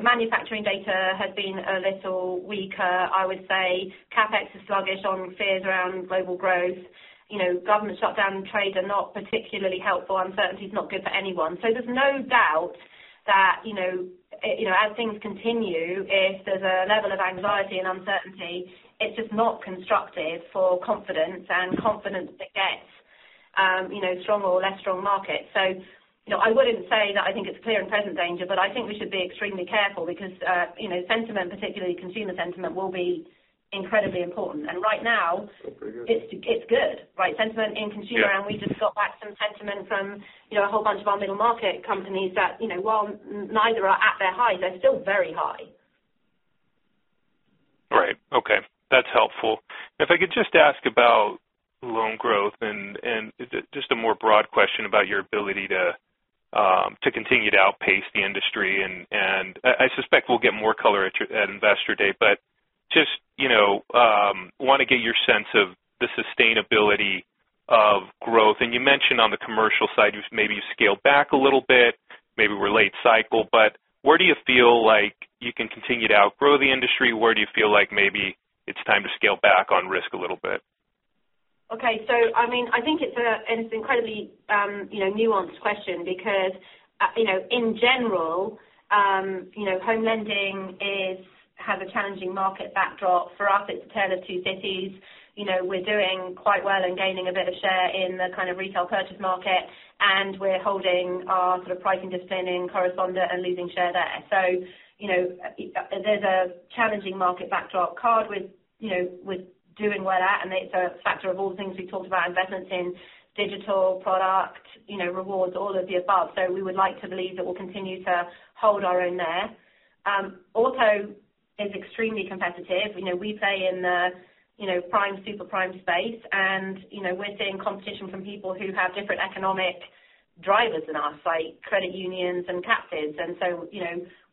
S2: Manufacturing data has been a little weaker. I would say CapEx is sluggish on fears around global growth. Government shutdown and trade are not particularly helpful. Uncertainty is not good for anyone. There's no doubt that as things continue, if there's a level of anxiety and uncertainty, it's just not constructive for confidence, and confidence begets strong or less strong markets. I wouldn't say that I think it's clear and present danger, but I think we should be extremely careful because sentiment, particularly consumer sentiment, will be incredibly important. Right now.
S4: Still pretty good
S2: It's good, right? Sentiment in consumer.
S12: Yeah
S2: We just got back some sentiment from a whole bunch of our middle-market companies that while neither are at their highs, they're still very high.
S12: That's helpful. If I could just ask about loan growth and just a more broad question about your ability to continue to outpace the industry, I suspect we'll get more color at investor day, but just want to get your sense of the sustainability of growth. You mentioned on the commercial side, maybe you scaled back a little bit, maybe we're late cycle, but where do you feel like you can continue to outgrow the industry? Where do you feel like maybe it's time to scale back on risk a little bit?
S2: Okay. I think it's an incredibly nuanced question because, in general, home lending has a challenging market backdrop. For us, it's a tale of two cities. We're doing quite well and gaining a bit of share in the kind of retail purchase market, and we're holding our sort of pricing discipline in correspondent and losing share there. There's a challenging market backdrop coupled with doing well there, and it's a factor of all the things we talked about, investments in digital product, rewards, all of the above. We would like to believe that we'll continue to hold our own there. Auto is extremely competitive. We play in the prime, super prime space, and we're seeing competition from people who have different economic drivers than us, like credit unions and captives.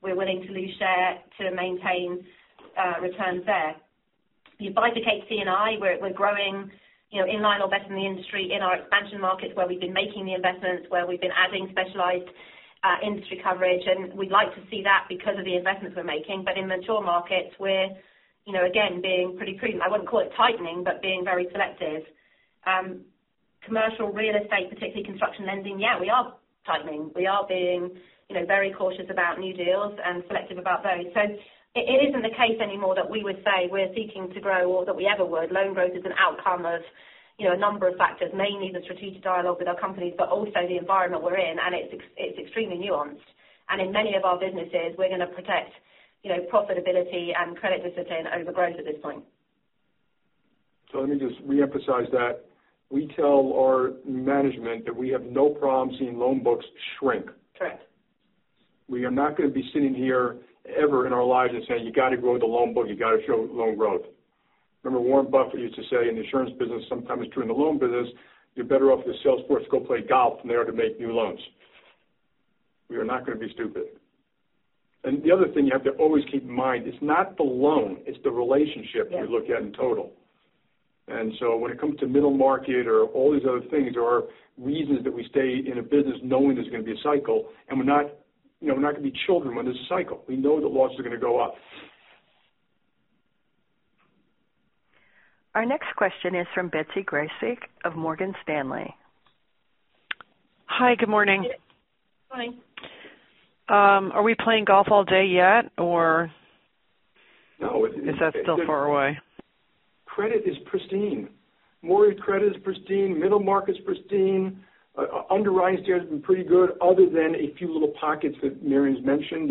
S2: We're willing to lose share to maintain returns there. If you bifurcate C&I, we're growing in line or better than the industry in our expansion markets where we've been making the investments, where we've been adding specialized industry coverage, and we'd like to see that because of the investments we're making. In mature markets, we're, again, being pretty prudent. I wouldn't call it tightening, but being very selective. Commercial real estate, particularly construction lending, yeah, we are tightening. We are being very cautious about new deals and selective about those. It isn't the case anymore that we would say we're seeking to grow or that we ever would. Loan growth is an outcome of a number of factors, mainly the strategic dialogue with our companies, but also the environment we're in, and it's extremely nuanced. In many of our businesses, we're going to protect profitability and credit discipline over growth at this point.
S4: Let me just reemphasize that. We tell our management that we have no problem seeing loan books shrink.
S2: Okay.
S4: We are not going to be sitting here ever in our lives and saying, "You got to grow the loan book. You got to show loan growth." Remember, Warren Buffett used to say, in the insurance business, sometimes it's true in the loan business, you're better off if the sales force go play golf than they are to make new loans. We are not going to be stupid. The other thing you have to always keep in mind, it's not the loan, it's the relationship.
S2: Yeah
S4: You look at in total. When it comes to middle market or all these other things, there are reasons that we stay in a business knowing there's going to be a cycle, and we're not going to be children when there's a cycle. We know the losses are going to go up.
S1: Our next question is from Betsy Graseck of Morgan Stanley.
S13: Hi, good morning.
S2: Hi.
S13: Are we playing golf all day yet or?
S4: No
S13: Is that still far away?
S4: Credit is pristine. Mortgage credit is pristine. Middle Market is pristine. Underwriting has been pretty good other than a few little pockets that Marianne's mentioned.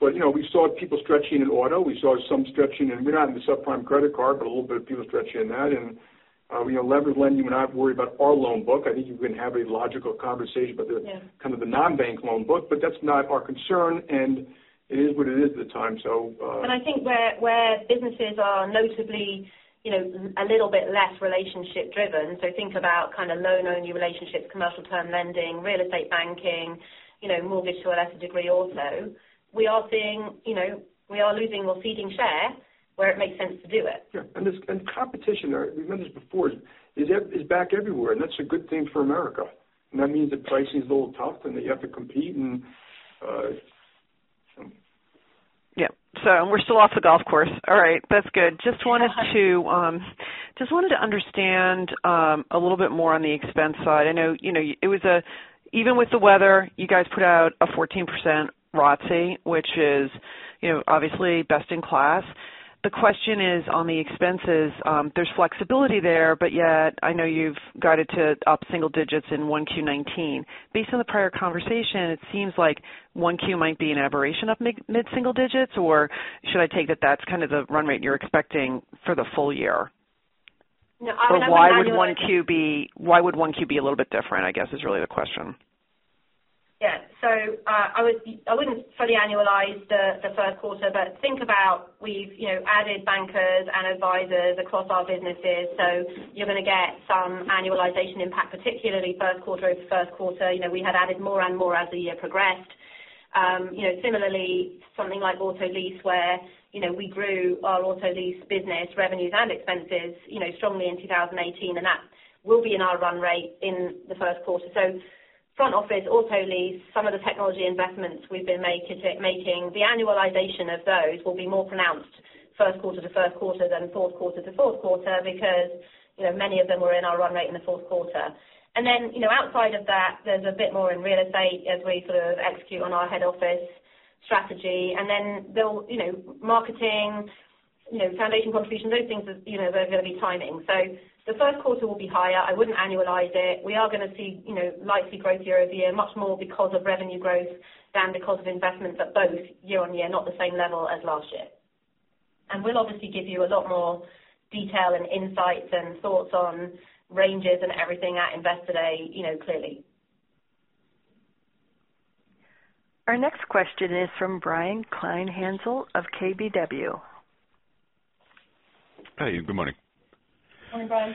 S4: We saw people stretching in auto. We saw some stretching, and we're not in the subprime credit card, but a little bit of people stretching in that. Leveraged lending, we're not worried about our loan book. I think you can have a logical conversation about the.
S13: Yeah
S4: Kind of the non-bank loan book, that's not our concern, it is what it is at the time.
S2: I think where businesses are notably a little bit less relationship-driven. Think about kind of loan-only relationships, commercial term lending, real estate banking, mortgage to a lesser degree also. We are losing or ceding share where it makes sense to do it.
S4: Yeah. Competition there, we've mentioned this before, is back everywhere, that's a good thing for America. That means that pricing is a little tough that you have to compete.
S13: We're still off the golf course. All right. That's good.
S2: Yeah.
S13: Just wanted to understand a little bit more on the expense side. I know, even with the weather, you guys put out a 14% ROTCE, which is obviously best in class. The question is on the expenses, there's flexibility there, yet I know you've guided to up single digits in 1Q 2019. Based on the prior conversation, it seems like 1Q might be an aberration of mid-single digits, or should I take that that's kind of the run rate you're expecting for the full year?
S2: No, I wouldn't annualize.
S13: Why would 1Q be a little bit different, I guess is really the question.
S2: Yeah. I wouldn't fully annualize the first quarter, think about we've added bankers and advisors across our businesses. You're going to get some annualization impact, particularly first quarter over first quarter. We had added more and more as the year progressed. Similarly, something like auto lease where we grew our auto lease business revenues and expenses strongly in 2018, that will be in our run rate in the first quarter. Front office auto lease, some of the technology investments we've been making, the annualization of those will be more pronounced first quarter to first quarter than fourth quarter to fourth quarter because many of them were in our run rate in the fourth quarter. Outside of that, there's a bit more in real estate as we sort of execute on our head office strategy. Marketing, foundation contributions, those things, they're going to be timing. The first quarter will be higher. I wouldn't annualize it. We are going to see likely growth year-over-year, much more because of revenue growth than because of investments, but both year-on-year, not the same level as last year. We'll obviously give you a lot more detail and insights and thoughts on ranges and everything at Investor Day clearly.
S1: Our next question is from Brian Kleinhanzl of KBW.
S14: Hi, good morning.
S2: Morning, Brian.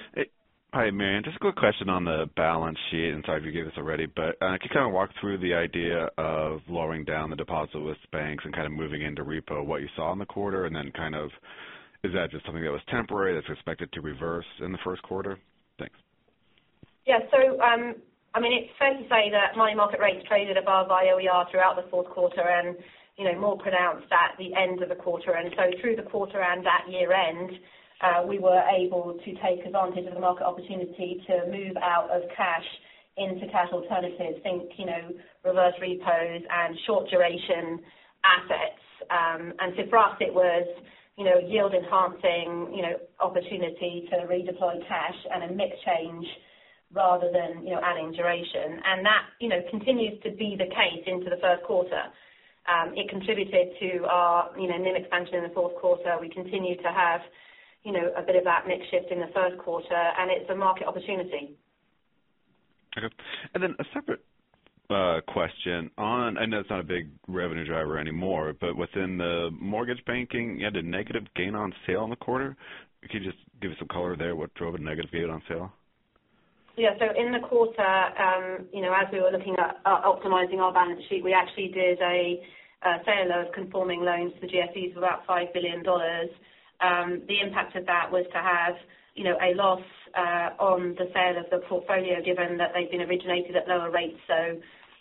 S14: Hi, Marianne. Just a quick question on the balance sheet, and sorry if you gave this already, but can you kind of walk through the idea of lowering down the deposit list banks and kind of moving into repo, what you saw in the quarter. Is that just something that was temporary that's expected to reverse in the first quarter? Thanks.
S2: Yeah. It's fair to say that money market rates traded above IOER throughout the fourth quarter and more pronounced at the end of the quarter. Through the quarter and at year end, we were able to take advantage of the market opportunity to move out of cash into cash alternatives, think reverse repos and short duration assets. For us, it was yield enhancing opportunity to redeploy cash and a mix change rather than adding duration. That continues to be the case into the first quarter. It contributed to our NIM expansion in the fourth quarter. We continue to have a bit of that mix shift in the first quarter, and it's a market opportunity.
S14: Okay. A separate question on, I know it's not a big revenue driver anymore, but within the mortgage banking, you had a negative gain on sale in the quarter. Can you just give us some color there? What drove a negative gain on sale?
S2: In the quarter, as we were looking at optimizing our balance sheet, we actually did a sale of conforming loans to GSEs of about $5 billion. The impact of that was to have a loss on the sale of the portfolio, given that they'd been originated at lower rates.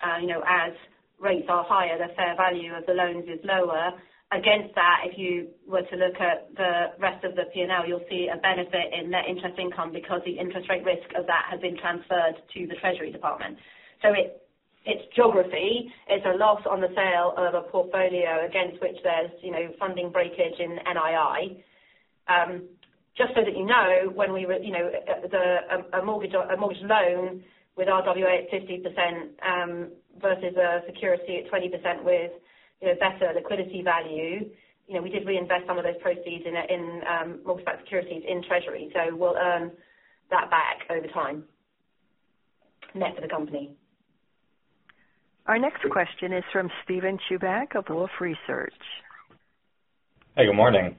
S2: As rates are higher, the fair value of the loans is lower. Against that, if you were to look at the rest of the P&L, you'll see a benefit in net interest income because the interest rate risk of that has been transferred to the Treasury Department. It's geography. It's a loss on the sale of a portfolio against which there's funding breakage in NII. Just so that you know, a mortgage loan with RWA at 50% versus a security at 20% with better liquidity value, we did reinvest some of those proceeds in mortgage-backed securities in Treasury. We'll earn that back over time net of the company.
S1: Our next question is from Steven Chubak of Wolfe Research.
S15: Hey, good morning.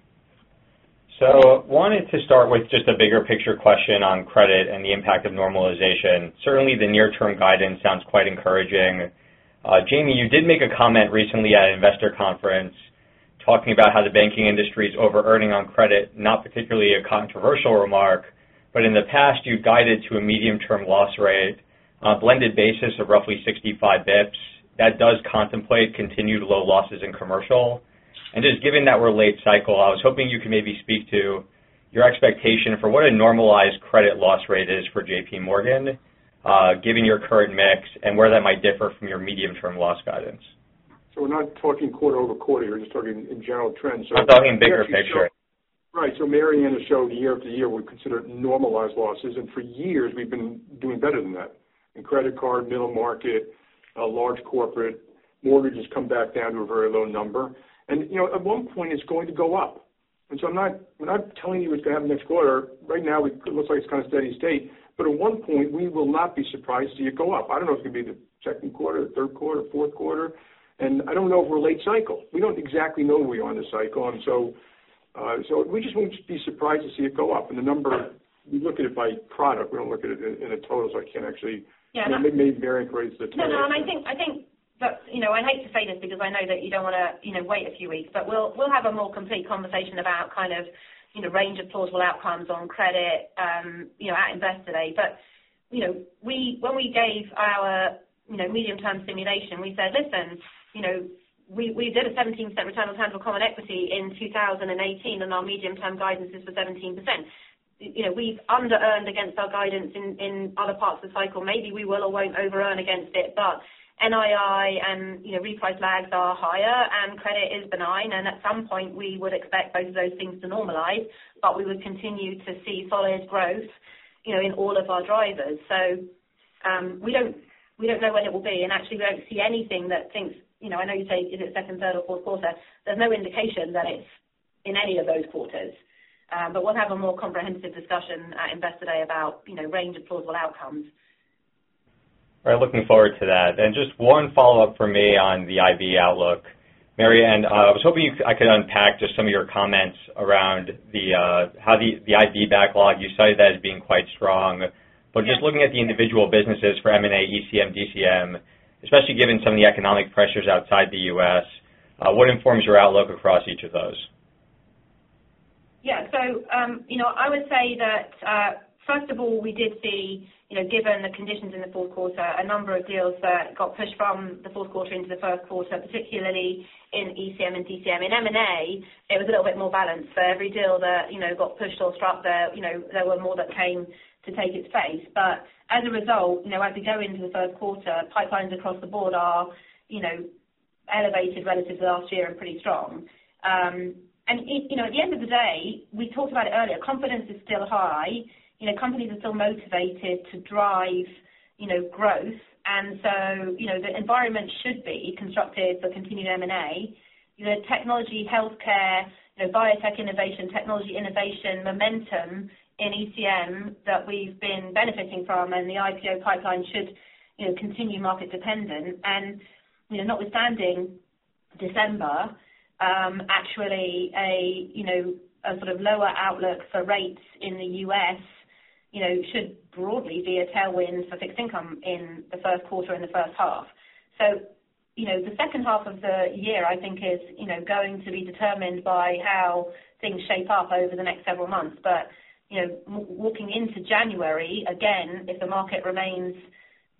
S15: Wanted to start with just a bigger picture question on credit and the impact of normalization. Certainly, the near-term guidance sounds quite encouraging. Jamie, you did make a comment recently at an investor conference talking about how the banking industry is overearning on credit, not particularly a controversial remark. In the past, you guided to a medium-term loss rate on a blended basis of roughly 65 basis points. That does contemplate continued low losses in commercial. Just given that we're late cycle, I was hoping you could maybe speak to your expectation for what a normalized credit loss rate is for JPMorgan, given your current mix, and where that might differ from your medium-term loss guidance.
S4: We're not talking quarter-over-quarter here, just talking in general trends.
S15: I'm talking bigger picture.
S4: Right. Marianne has showed year after year what we consider normalized losses, and for years we've been doing better than that. In credit card, Middle Market, large corporate. Mortgage has come back down to a very low number. At one point, it's going to go up. I'm not telling you it's going to happen next quarter. Right now it looks like it's kind of steady state. At one point, we will not be surprised to see it go up. I don't know if it's going to be the second quarter, third quarter, fourth quarter, and I don't know if we're late cycle. We don't exactly know where we are in the cycle. We just won't be surprised to see it go up. The number, we look at it by product. We don't look at it in a total, I can't actually.
S2: Yeah.
S4: Maybe Marianne can raise the total.
S2: I hate to say this because I know that you don't want to wait a few weeks, but we'll have a more complete conversation about kind of range of plausible outcomes on credit at Investor Day. When we gave our medium-term simulation, we said, listen, we did a 17% return on tangible common equity in 2018, and our medium-term guidance is for 17%. We've under-earned against our guidance in other parts of the cycle. Maybe we will or won't over-earn against it, but NII and reprice lags are higher, and credit is benign. At some point, we would expect both of those things to normalize, but we would continue to see solid growth in all of our drivers. We don't know when it will be, and actually we don't see anything that thinks, I know you say is it second, third, or fourth quarter. There's no indication that it's in any of those quarters. We'll have a more comprehensive discussion at Investor Day about range of plausible outcomes.
S15: All right, looking forward to that. Just one follow-up from me on the IB outlook. Marianne, I was hoping I could unpack just some of your comments around how the IB backlog, you cited that as being quite strong. Just looking at the individual businesses for M&A, ECM, DCM, especially given some of the economic pressures outside the U.S., what informs your outlook across each of those?
S2: Yeah. I would say that, first of all, we did see, given the conditions in the fourth quarter, a number of deals that got pushed from the fourth quarter into the first quarter, particularly in ECM and DCM. In M&A, it was a little bit more balanced. For every deal that got pushed or scrapped there were more that came to take its place. As a result, as we go into the first quarter, pipelines across the board are elevated relative to last year and pretty strong. At the end of the day, we talked about it earlier, confidence is still high. Companies are still motivated to drive growth. The environment should be constructive for continued M&A. Technology, healthcare, biotech innovation, technology innovation, momentum in ECM that we've been benefiting from and the IPO pipeline should continue market dependent. Notwithstanding December, actually a sort of lower outlook for rates in the U.S. should broadly be a tailwind for fixed income in the first quarter and the first half. The second half of the year, I think is going to be determined by how things shape up over the next several months. Walking into January, again, if the market remains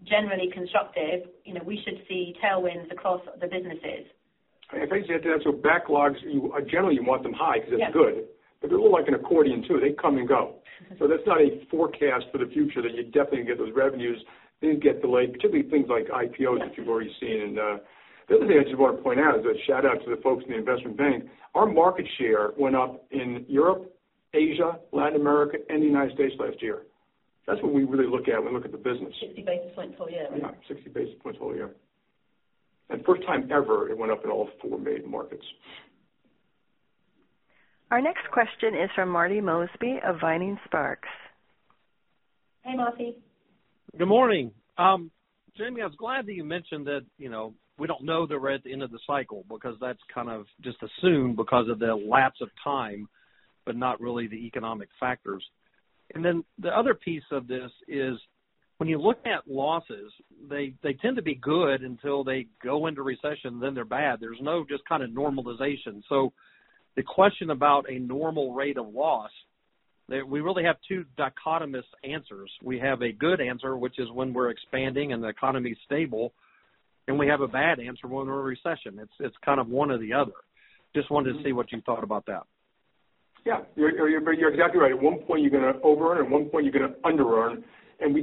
S2: generally constructive, we should see tailwinds across the businesses.
S4: If I can add to that. Backlogs, generally you want them high because that's good.
S2: Yep.
S4: They're a little like an accordion, too. They come and go. That's not a forecast for the future that you definitely get those revenues, they get delayed, particularly things like IPOs that you've already seen. The other thing I just want to point out is a shout-out to the folks in the investment bank. Our market share went up in Europe, Asia, Latin America, and the United States last year. That's what we really look at when we look at the business.
S2: 60 basis points whole year, right?
S4: Yeah, 60 basis points whole year. First time ever, it went up in all four main markets.
S1: Our next question is from Marty Mosby of Vining Sparks.
S2: Hey, Marty.
S16: Good morning. Jamie, I was glad that you mentioned that we don't know that we're at the end of the cycle because that's kind of just assumed because of the lapse of time, but not really the economic factors. The other piece of this is when you look at losses, they tend to be good until they go into recession, then they're bad. There's no just kind of normalization. The question about a normal rate of loss, that we really have two dichotomous answers. We have a good answer, which is when we're expanding and the economy's stable, and we have a bad answer when we're in recession. It's kind of one or the other. Just wanted to see what you thought about that.
S4: Yeah. You're exactly right. At one point, you're going to over earn, at one point you're going to under earn. When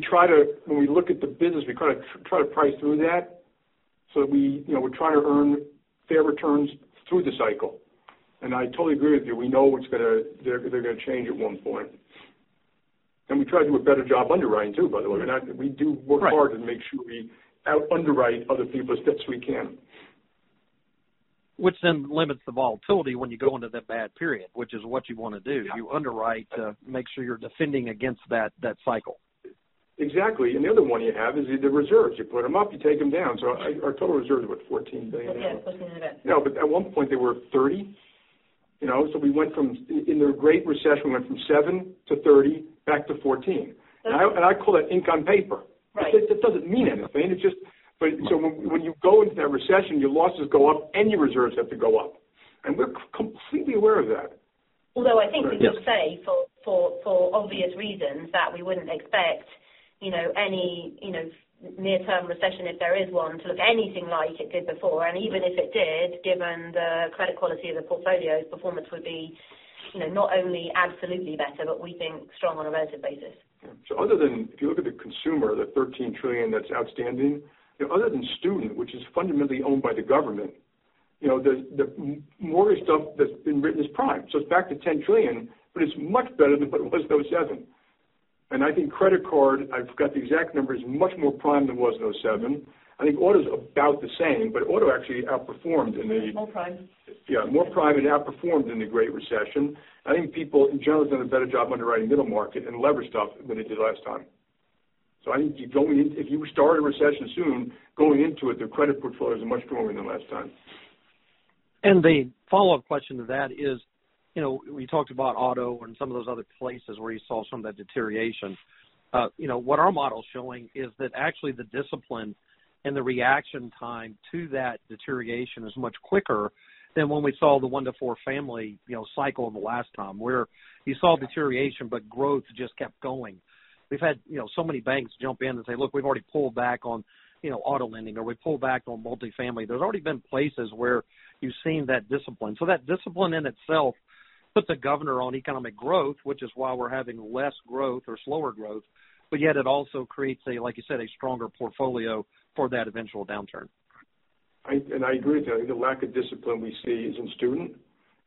S4: we look at the business, we try to price through that so that we try to earn fair returns through the cycle. I totally agree with you. We know they're going to change at one point. We try to do a better job underwriting, too, by the way. We do work hard.
S16: Right
S4: To make sure we underwrite other people as best we can.
S16: Which limits the volatility when you go into that bad period, which is what you want to do.
S4: Yeah.
S16: You underwrite to make sure you're defending against that cycle.
S4: Exactly. The other one you have is the reserves. You put them up, you take them down. Our total reserves are, what, $14 billion now?
S2: Yes. Looking at it.
S4: No, at one point they were 30%. In the Great Recession, we went from 7%-30% back to 14%. I call that ink on paper.
S2: Right.
S4: It doesn't mean anything. When you go into that recession, your losses go up, and your reserves have to go up. We're completely aware of that.
S2: Although I think that you say for obvious reasons, that we wouldn't expect any near-term recession, if there is one, to look anything like it did before. Even if it did, given the credit quality of the portfolio's performance would be not only absolutely better, but we think strong on a relative basis.
S4: Other than if you look at the consumer, the $13 trillion that's outstanding. Other than student, which is fundamentally owned by the government, the mortgage stuff that's been written is prime. It's back to $10 trillion, but it's much better than what it was in 2007. I think credit card, I forgot the exact number, is much more prime than it was in 2007. I think auto's about the same, but auto actually outperformed in the.
S2: Small prime.
S4: More prime. It outperformed in the Great Recession. I think people in general have done a better job underwriting middle market and lever stuff than it did last time. I think if you were to start a recession soon, going into it, their credit portfolios are much stronger than last time.
S16: The follow-up question to that is, we talked about auto and some of those other places where you saw some of that deterioration. What our model's showing is that actually the discipline and the reaction time to that deterioration is much quicker than when we saw the one to four family cycle in the last time where you saw deterioration, growth just kept going. We've had so many banks jump in and say, "Look, we've already pulled back on auto lending," or, "We've pulled back on multifamily." There's already been places where you've seen that discipline. That discipline in itself puts a governor on economic growth, which is why we're having less growth or slower growth. Yet it also creates a, like you said, a stronger portfolio for that eventual downturn.
S4: I agree with that. I think the lack of discipline we see is in student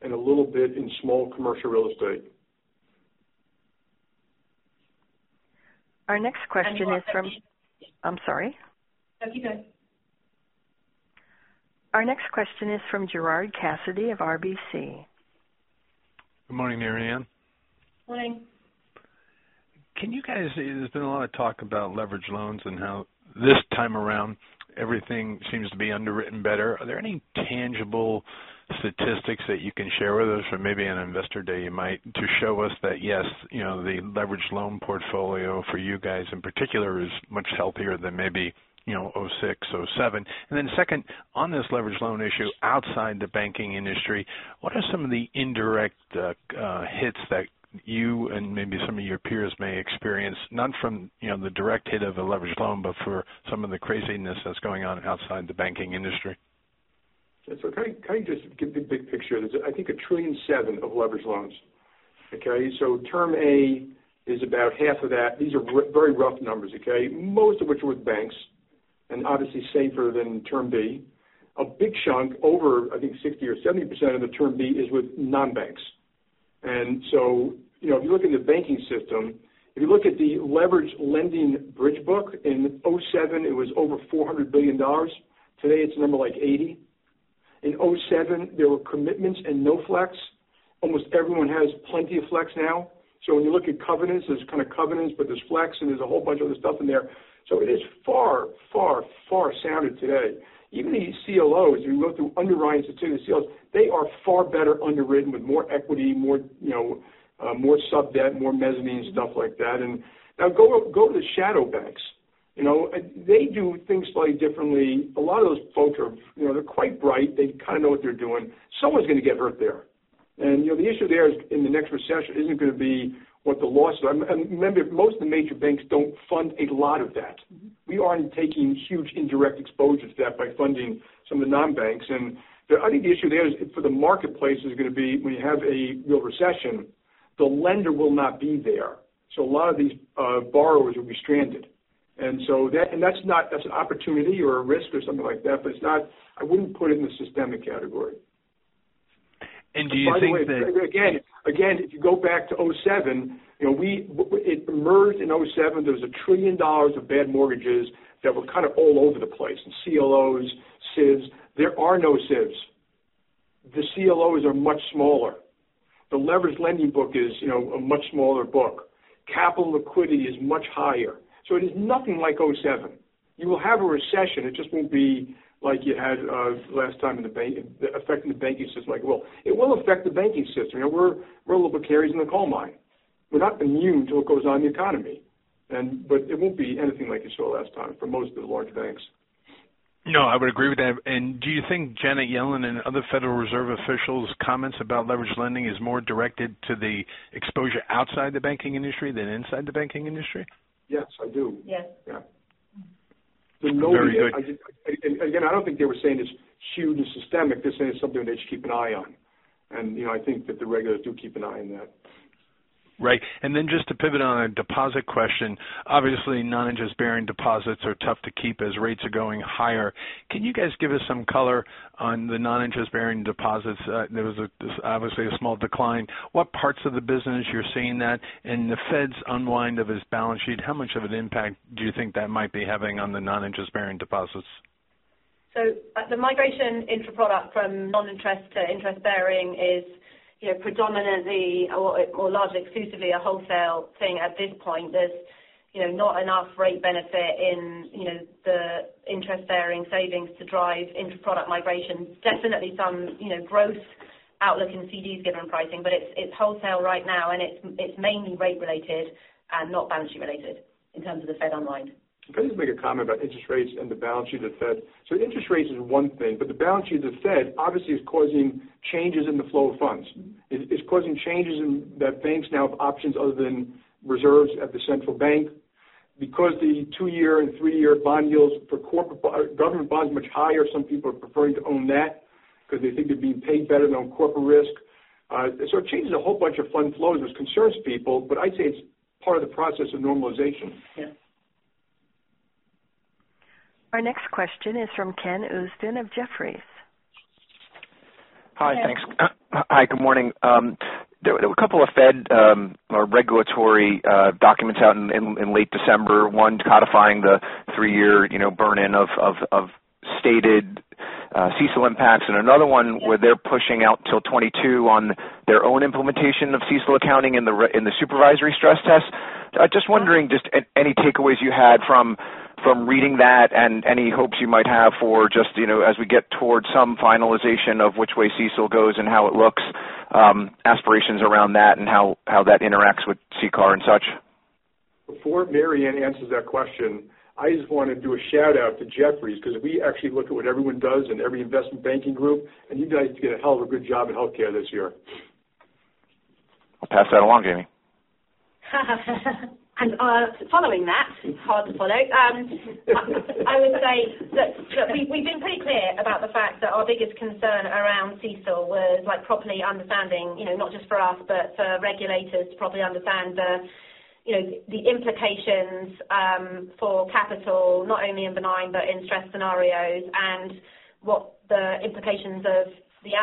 S4: and a little bit in small commercial real estate.
S1: Our next question is from.
S2: Mortgage.
S1: I'm sorry.
S2: No, you're good.
S1: Our next question is from Gerard Cassidy of RBC.
S17: Good morning, Marianne.
S2: Morning.
S17: There's been a lot of talk about leverage loans and how this time around everything seems to be underwritten better. Are there any tangible statistics that you can share with us or maybe on investor day you might to show us that, yes, the leverage loan portfolio for you guys in particular is much healthier than maybe 2006, 2007. Second, on this leverage loan issue outside the banking industry, what are some of the indirect hits that you and maybe some of your peers may experience, not from the direct hit of a leverage loan, but for some of the craziness that's going on outside the banking industry?
S4: Kind of just give the big picture. There's I think $1.7 trillion of leverage loans. Okay? Term A is about half of that. These are very rough numbers, okay? Most of which are with banks, and obviously safer than Term B. A big chunk over, I think 60% or 70% of the Term B is with non-banks. If you look in the banking system, if you look at the leverage lending bridge book in 2007 it was over $400 billion. Today it's a number like $80 billion. In 2007 there were commitments and no flex. Almost everyone has plenty of flex now. When you look at covenants, there's kind of covenants, but there's flex and there's a whole bunch of other stuff in there. It is far, far, far sounder today. Even the CLOs, as we look through underwriting institutions, CLOs, they are far better underwritten with more equity, more sub-debt, more mezzanine, stuff like that. Now go to the shadow banks. They do things slightly differently. A lot of those folks are quite bright. They kind of know what they're doing. Someone's going to get hurt there. The issue there is in the next recession isn't going to be what the losses are. Remember, most of the major banks don't fund a lot of that. We aren't taking huge indirect exposure to that by funding some of the non-banks. I think the issue there is for the marketplace is going to be when you have a real recession, the lender will not be there. A lot of these borrowers will be stranded. That's an opportunity or a risk or something like that, but I wouldn't put it in the systemic category.
S17: Do you think?
S4: Again, if you go back to 2007, it emerged in 2007, there was $1 trillion of bad mortgages that were kind of all over the place, CLOs, SIVs. There are no SIVs. The CLOs are much smaller. The leveraged lending book is a much smaller book. Capital liquidity is much higher. It is nothing like 2007. You will have a recession. It just won't be like it was last time affecting the banking system like it will. It will affect the banking system. We're a little bit canaries in the coal mine. We're not immune to what goes on in the economy. It won't be anything like you saw last time for most of the large banks.
S17: No, I would agree with that. Do you think Janet Yellen and other Federal Reserve officials' comments about leveraged lending is more directed to the exposure outside the banking industry than inside the banking industry?
S4: Yes, I do.
S2: Yes.
S4: Yeah.
S17: Very good.
S4: I don't think they were saying it's hugely systemic. They're saying it's something they should keep an eye on. I think that the regulators do keep an eye on that.
S17: Right. Just to pivot on a deposit question, obviously, non-interest-bearing deposits are tough to keep as rates are going higher. Can you guys give us some color on the non-interest-bearing deposits? There was obviously a small decline. What parts of the business you're seeing that? The Fed's unwind of its balance sheet, how much of an impact do you think that might be having on the non-interest-bearing deposits?
S2: The migration intra-product from non-interest to interest-bearing is predominantly, or largely exclusively a wholesale thing at this point. There's not enough rate benefit in the interest-bearing savings to drive intra-product migration. Definitely some growth outlook in CDs given pricing, but it's wholesale right now, and it's mainly rate related and not balance sheet related in terms of the Fed online.
S4: Can I just make a comment about interest rates and the balance sheet of the Fed? Interest rates is one thing, but the balance sheet of the Fed obviously is causing changes in the flow of funds. It's causing changes in that banks now have options other than reserves at the central bank because the two-year and three-year bond yields for government bonds are much higher. Some people are preferring to own that because they think they're being paid better than corporate risk. It changes a whole bunch of fund flows, which concerns people, but I'd say it's part of the process of normalization.
S2: Yeah.
S1: Our next question is from Ken Usdin of Jefferies.
S18: Hi, thanks. Hi, good morning. There were a couple of Fed regulatory documents out in late December, one codifying the three-year burn-in of stated CECL impacts and another one where they're pushing out till 2022 on their own implementation of CECL accounting in the supervisory stress test. Just wondering just any takeaways you had from reading that and any hopes you might have for just as we get towards some finalization of which way CECL goes and how it looks, aspirations around that and how that interacts with CCAR and such.
S4: Before Marianne answers that question, I just want to do a shout-out to Jefferies because we actually look at what everyone does in every investment banking group. You guys did a hell of a good job in healthcare this year.
S18: I'll pass that along, Jamie.
S2: Following that, hard to follow. I would say that we've been pretty clear about the fact that our biggest concern around CECL was properly understanding, not just for us, but for regulators to properly understand the implications for capital, not only in benign but in stress scenarios, and what the implications of the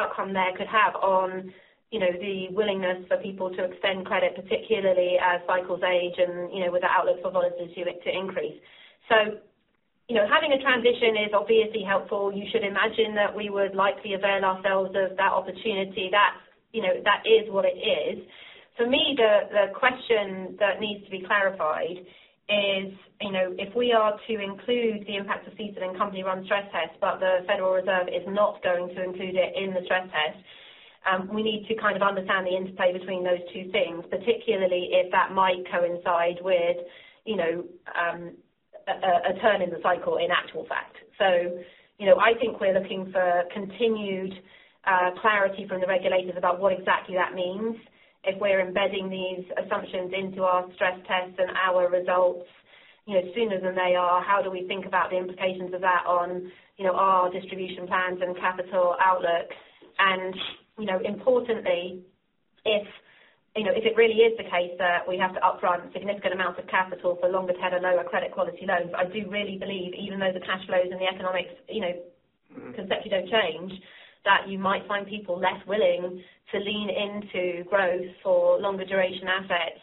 S2: outcome there could have on the willingness for people to extend credit, particularly as cycles age and with the outlook for volunteers to increase. Having a transition is obviously helpful. You should imagine that we would likely avail ourselves of that opportunity. That is what it is. For me, the question that needs to be clarified is if we are to include the impact of CECL in company-run stress tests. The Federal Reserve is not going to include it in the stress test. We need to kind of understand the interplay between those two things, particularly if that might coincide with a turn in the cycle in actual fact. I think we're looking for continued clarity from the regulators about what exactly that means. If we're embedding these assumptions into our stress tests and our results sooner than they are, how do we think about the implications of that on our distribution plans and capital outlook? Importantly, if it really is the case that we have to upfront significant amounts of capital for longer tail or lower credit quality loans, I do really believe even though the cash flows and the economics conceptually don't change, that you might find people less willing to lean into growth for longer duration assets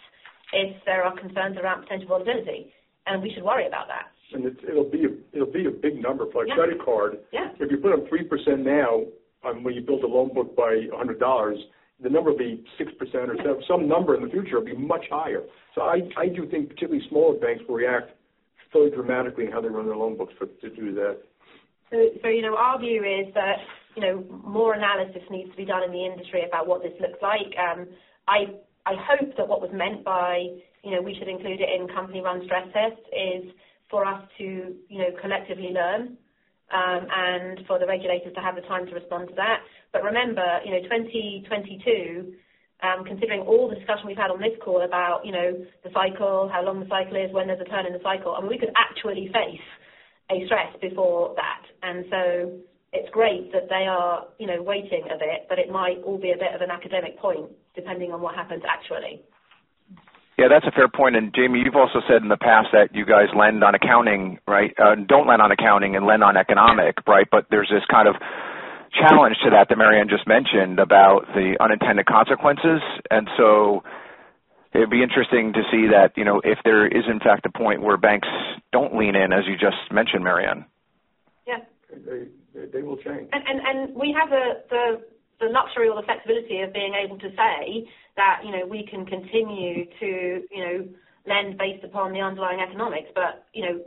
S2: if there are concerns around potential volatility, and we should worry about that.
S4: It'll be a big number for a credit card.
S2: Yeah.
S4: If you put on 3% now on when you built a loan book by $100, the number will be 6% or so. Some number in the future will be much higher. I do think particularly smaller banks will react fairly dramatically in how they run their loan books to do that.
S2: Our view is that more analysis needs to be done in the industry about what this looks like. I hope that what was meant by we should include it in company-run stress test is for us to collectively learn, and for the regulators to have the time to respond to that. Remember, 2022, considering all the discussion we've had on this call about the cycle, how long the cycle is, when there's a turn in the cycle, and we could actually face a stress before that. It's great that they are waiting a bit, but it might all be a bit of an academic point, depending on what happens actually.
S18: Yeah, that's a fair point. Jamie, you've also said in the past that you guys lend on accounting, right? Don't lend on accounting and lend on economic, right? There's this kind of challenge to that Marianne just mentioned about the unintended consequences. It'd be interesting to see that if there is, in fact, a point where banks don't lean in, as you just mentioned, Marianne.
S2: Yeah.
S4: They will change.
S2: We have the luxury or the flexibility of being able to say that we can continue to lend based upon the underlying economics, but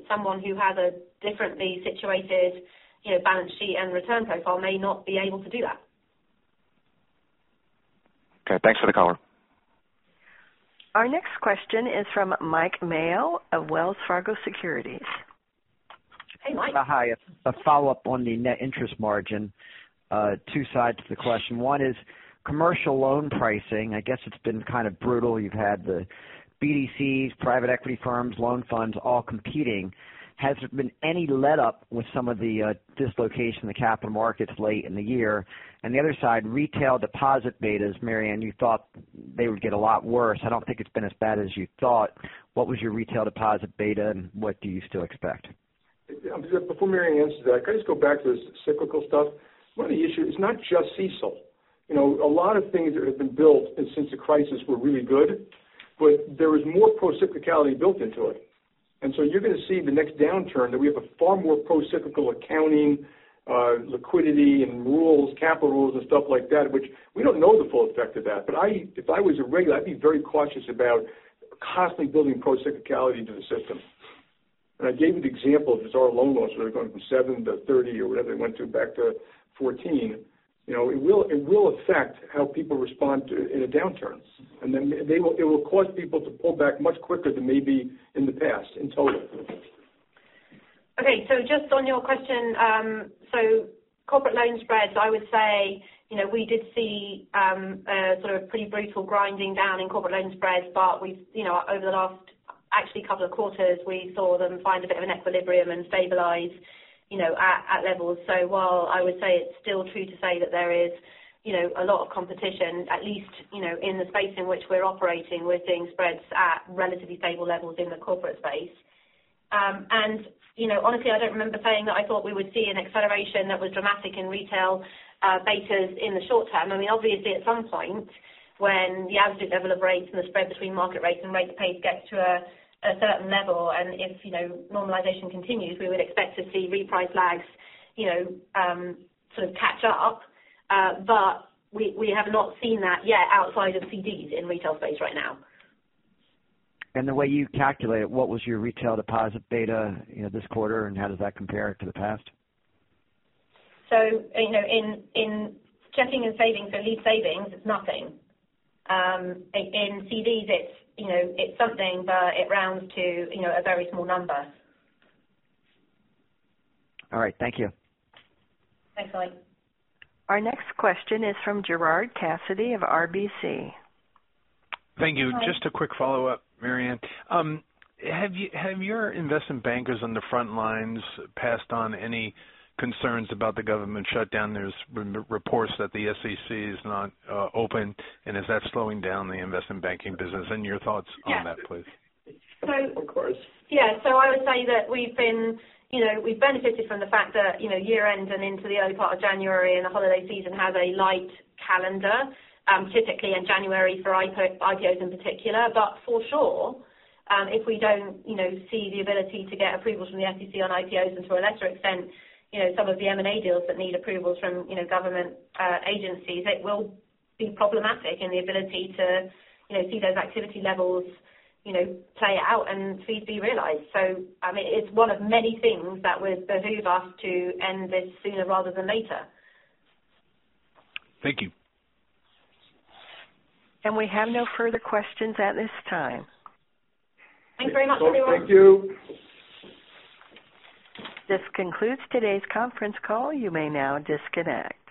S2: someone who has a differently situated balance sheet and return profile may not be able to do that.
S18: Okay, thanks for the color.
S1: Our next question is from Mike Mayo of Wells Fargo Securities. Hey, Mike.
S8: Hi. A follow-up on the net interest margin. Two sides to the question. One is commercial loan pricing. I guess it's been kind of brutal. You've had the BDCs, private equity firms, loan funds, all competing. Has there been any letup with some of the dislocation in the capital markets late in the year? The other side, retail deposit betas. Marianne, you thought they would get a lot worse. I don't think it's been as bad as you thought. What was your retail deposit beta, and what do you still expect?
S4: Before Marianne answers that, can I just go back to the cyclical stuff? One of the issues, it's not just CECL. A lot of things that have been built and since the crisis were really good, but there is more procyclicality built into it. You're going to see the next downturn, that we have a far more procyclical accounting, liquidity, and rules, capital rules and stuff like that, which we don't know the full effect of that. If I was a regulator, I'd be very cautious about constantly building procyclicality into the system. I gave you the example of our loan losses going from 7%-30% or whatever they went to back to 14%. It will affect how people respond in a downturn, then it will cause people to pull back much quicker than maybe in the past in total.
S2: Okay, just on your question. Corporate loan spreads, I would say we did see a sort of pretty brutal grinding down in corporate loan spreads, over the last actually couple of quarters, we saw them find a bit of an equilibrium and stabilize at levels. While I would say it's still true to say that there is a lot of competition, at least in the space in which we're operating, we're seeing spreads at relatively stable levels in the corporate space. Honestly, I don't remember saying that I thought we would see an acceleration that was dramatic in retail betas in the short term. Obviously at some point when the average level of rates and the spread between market rates and rates paid gets to a certain level, if normalization continues, we would expect to see reprice lags sort of catch up. We have not seen that yet outside of CDs in retail space right now.
S8: The way you calculate it, what was your retail deposit beta this quarter, and how does that compare to the past?
S2: In checking and savings, at least savings, it's nothing. In CDs, it's something, but it rounds to a very small number.
S8: All right. Thank you.
S2: Thanks, Mike.
S1: Our next question is from Gerard Cassidy of RBC.
S17: Thank you. Just a quick follow-up, Marianne. Have your investment bankers on the front lines passed on any concerns about the government shutdown? There's been reports that the SEC is not open, is that slowing down the investment banking business? Your thoughts on that, please.
S4: Of course.
S2: Yeah. I would say that we've benefited from the fact that year-end and into the early part of January and the holiday season has a light calendar, typically in January for IPOs in particular. For sure, if we don't see the ability to get approvals from the SEC on IPOs and to a lesser extent, some of the M&A deals that need approvals from government agencies, it will be problematic in the ability to see those activity levels play out and fees be realized. I mean, it's one of many things that would behoove us to end this sooner rather than later.
S17: Thank you.
S1: We have no further questions at this time.
S2: Thanks very much, everyone.
S4: Thank you.
S1: This concludes today's conference call. You may now disconnect.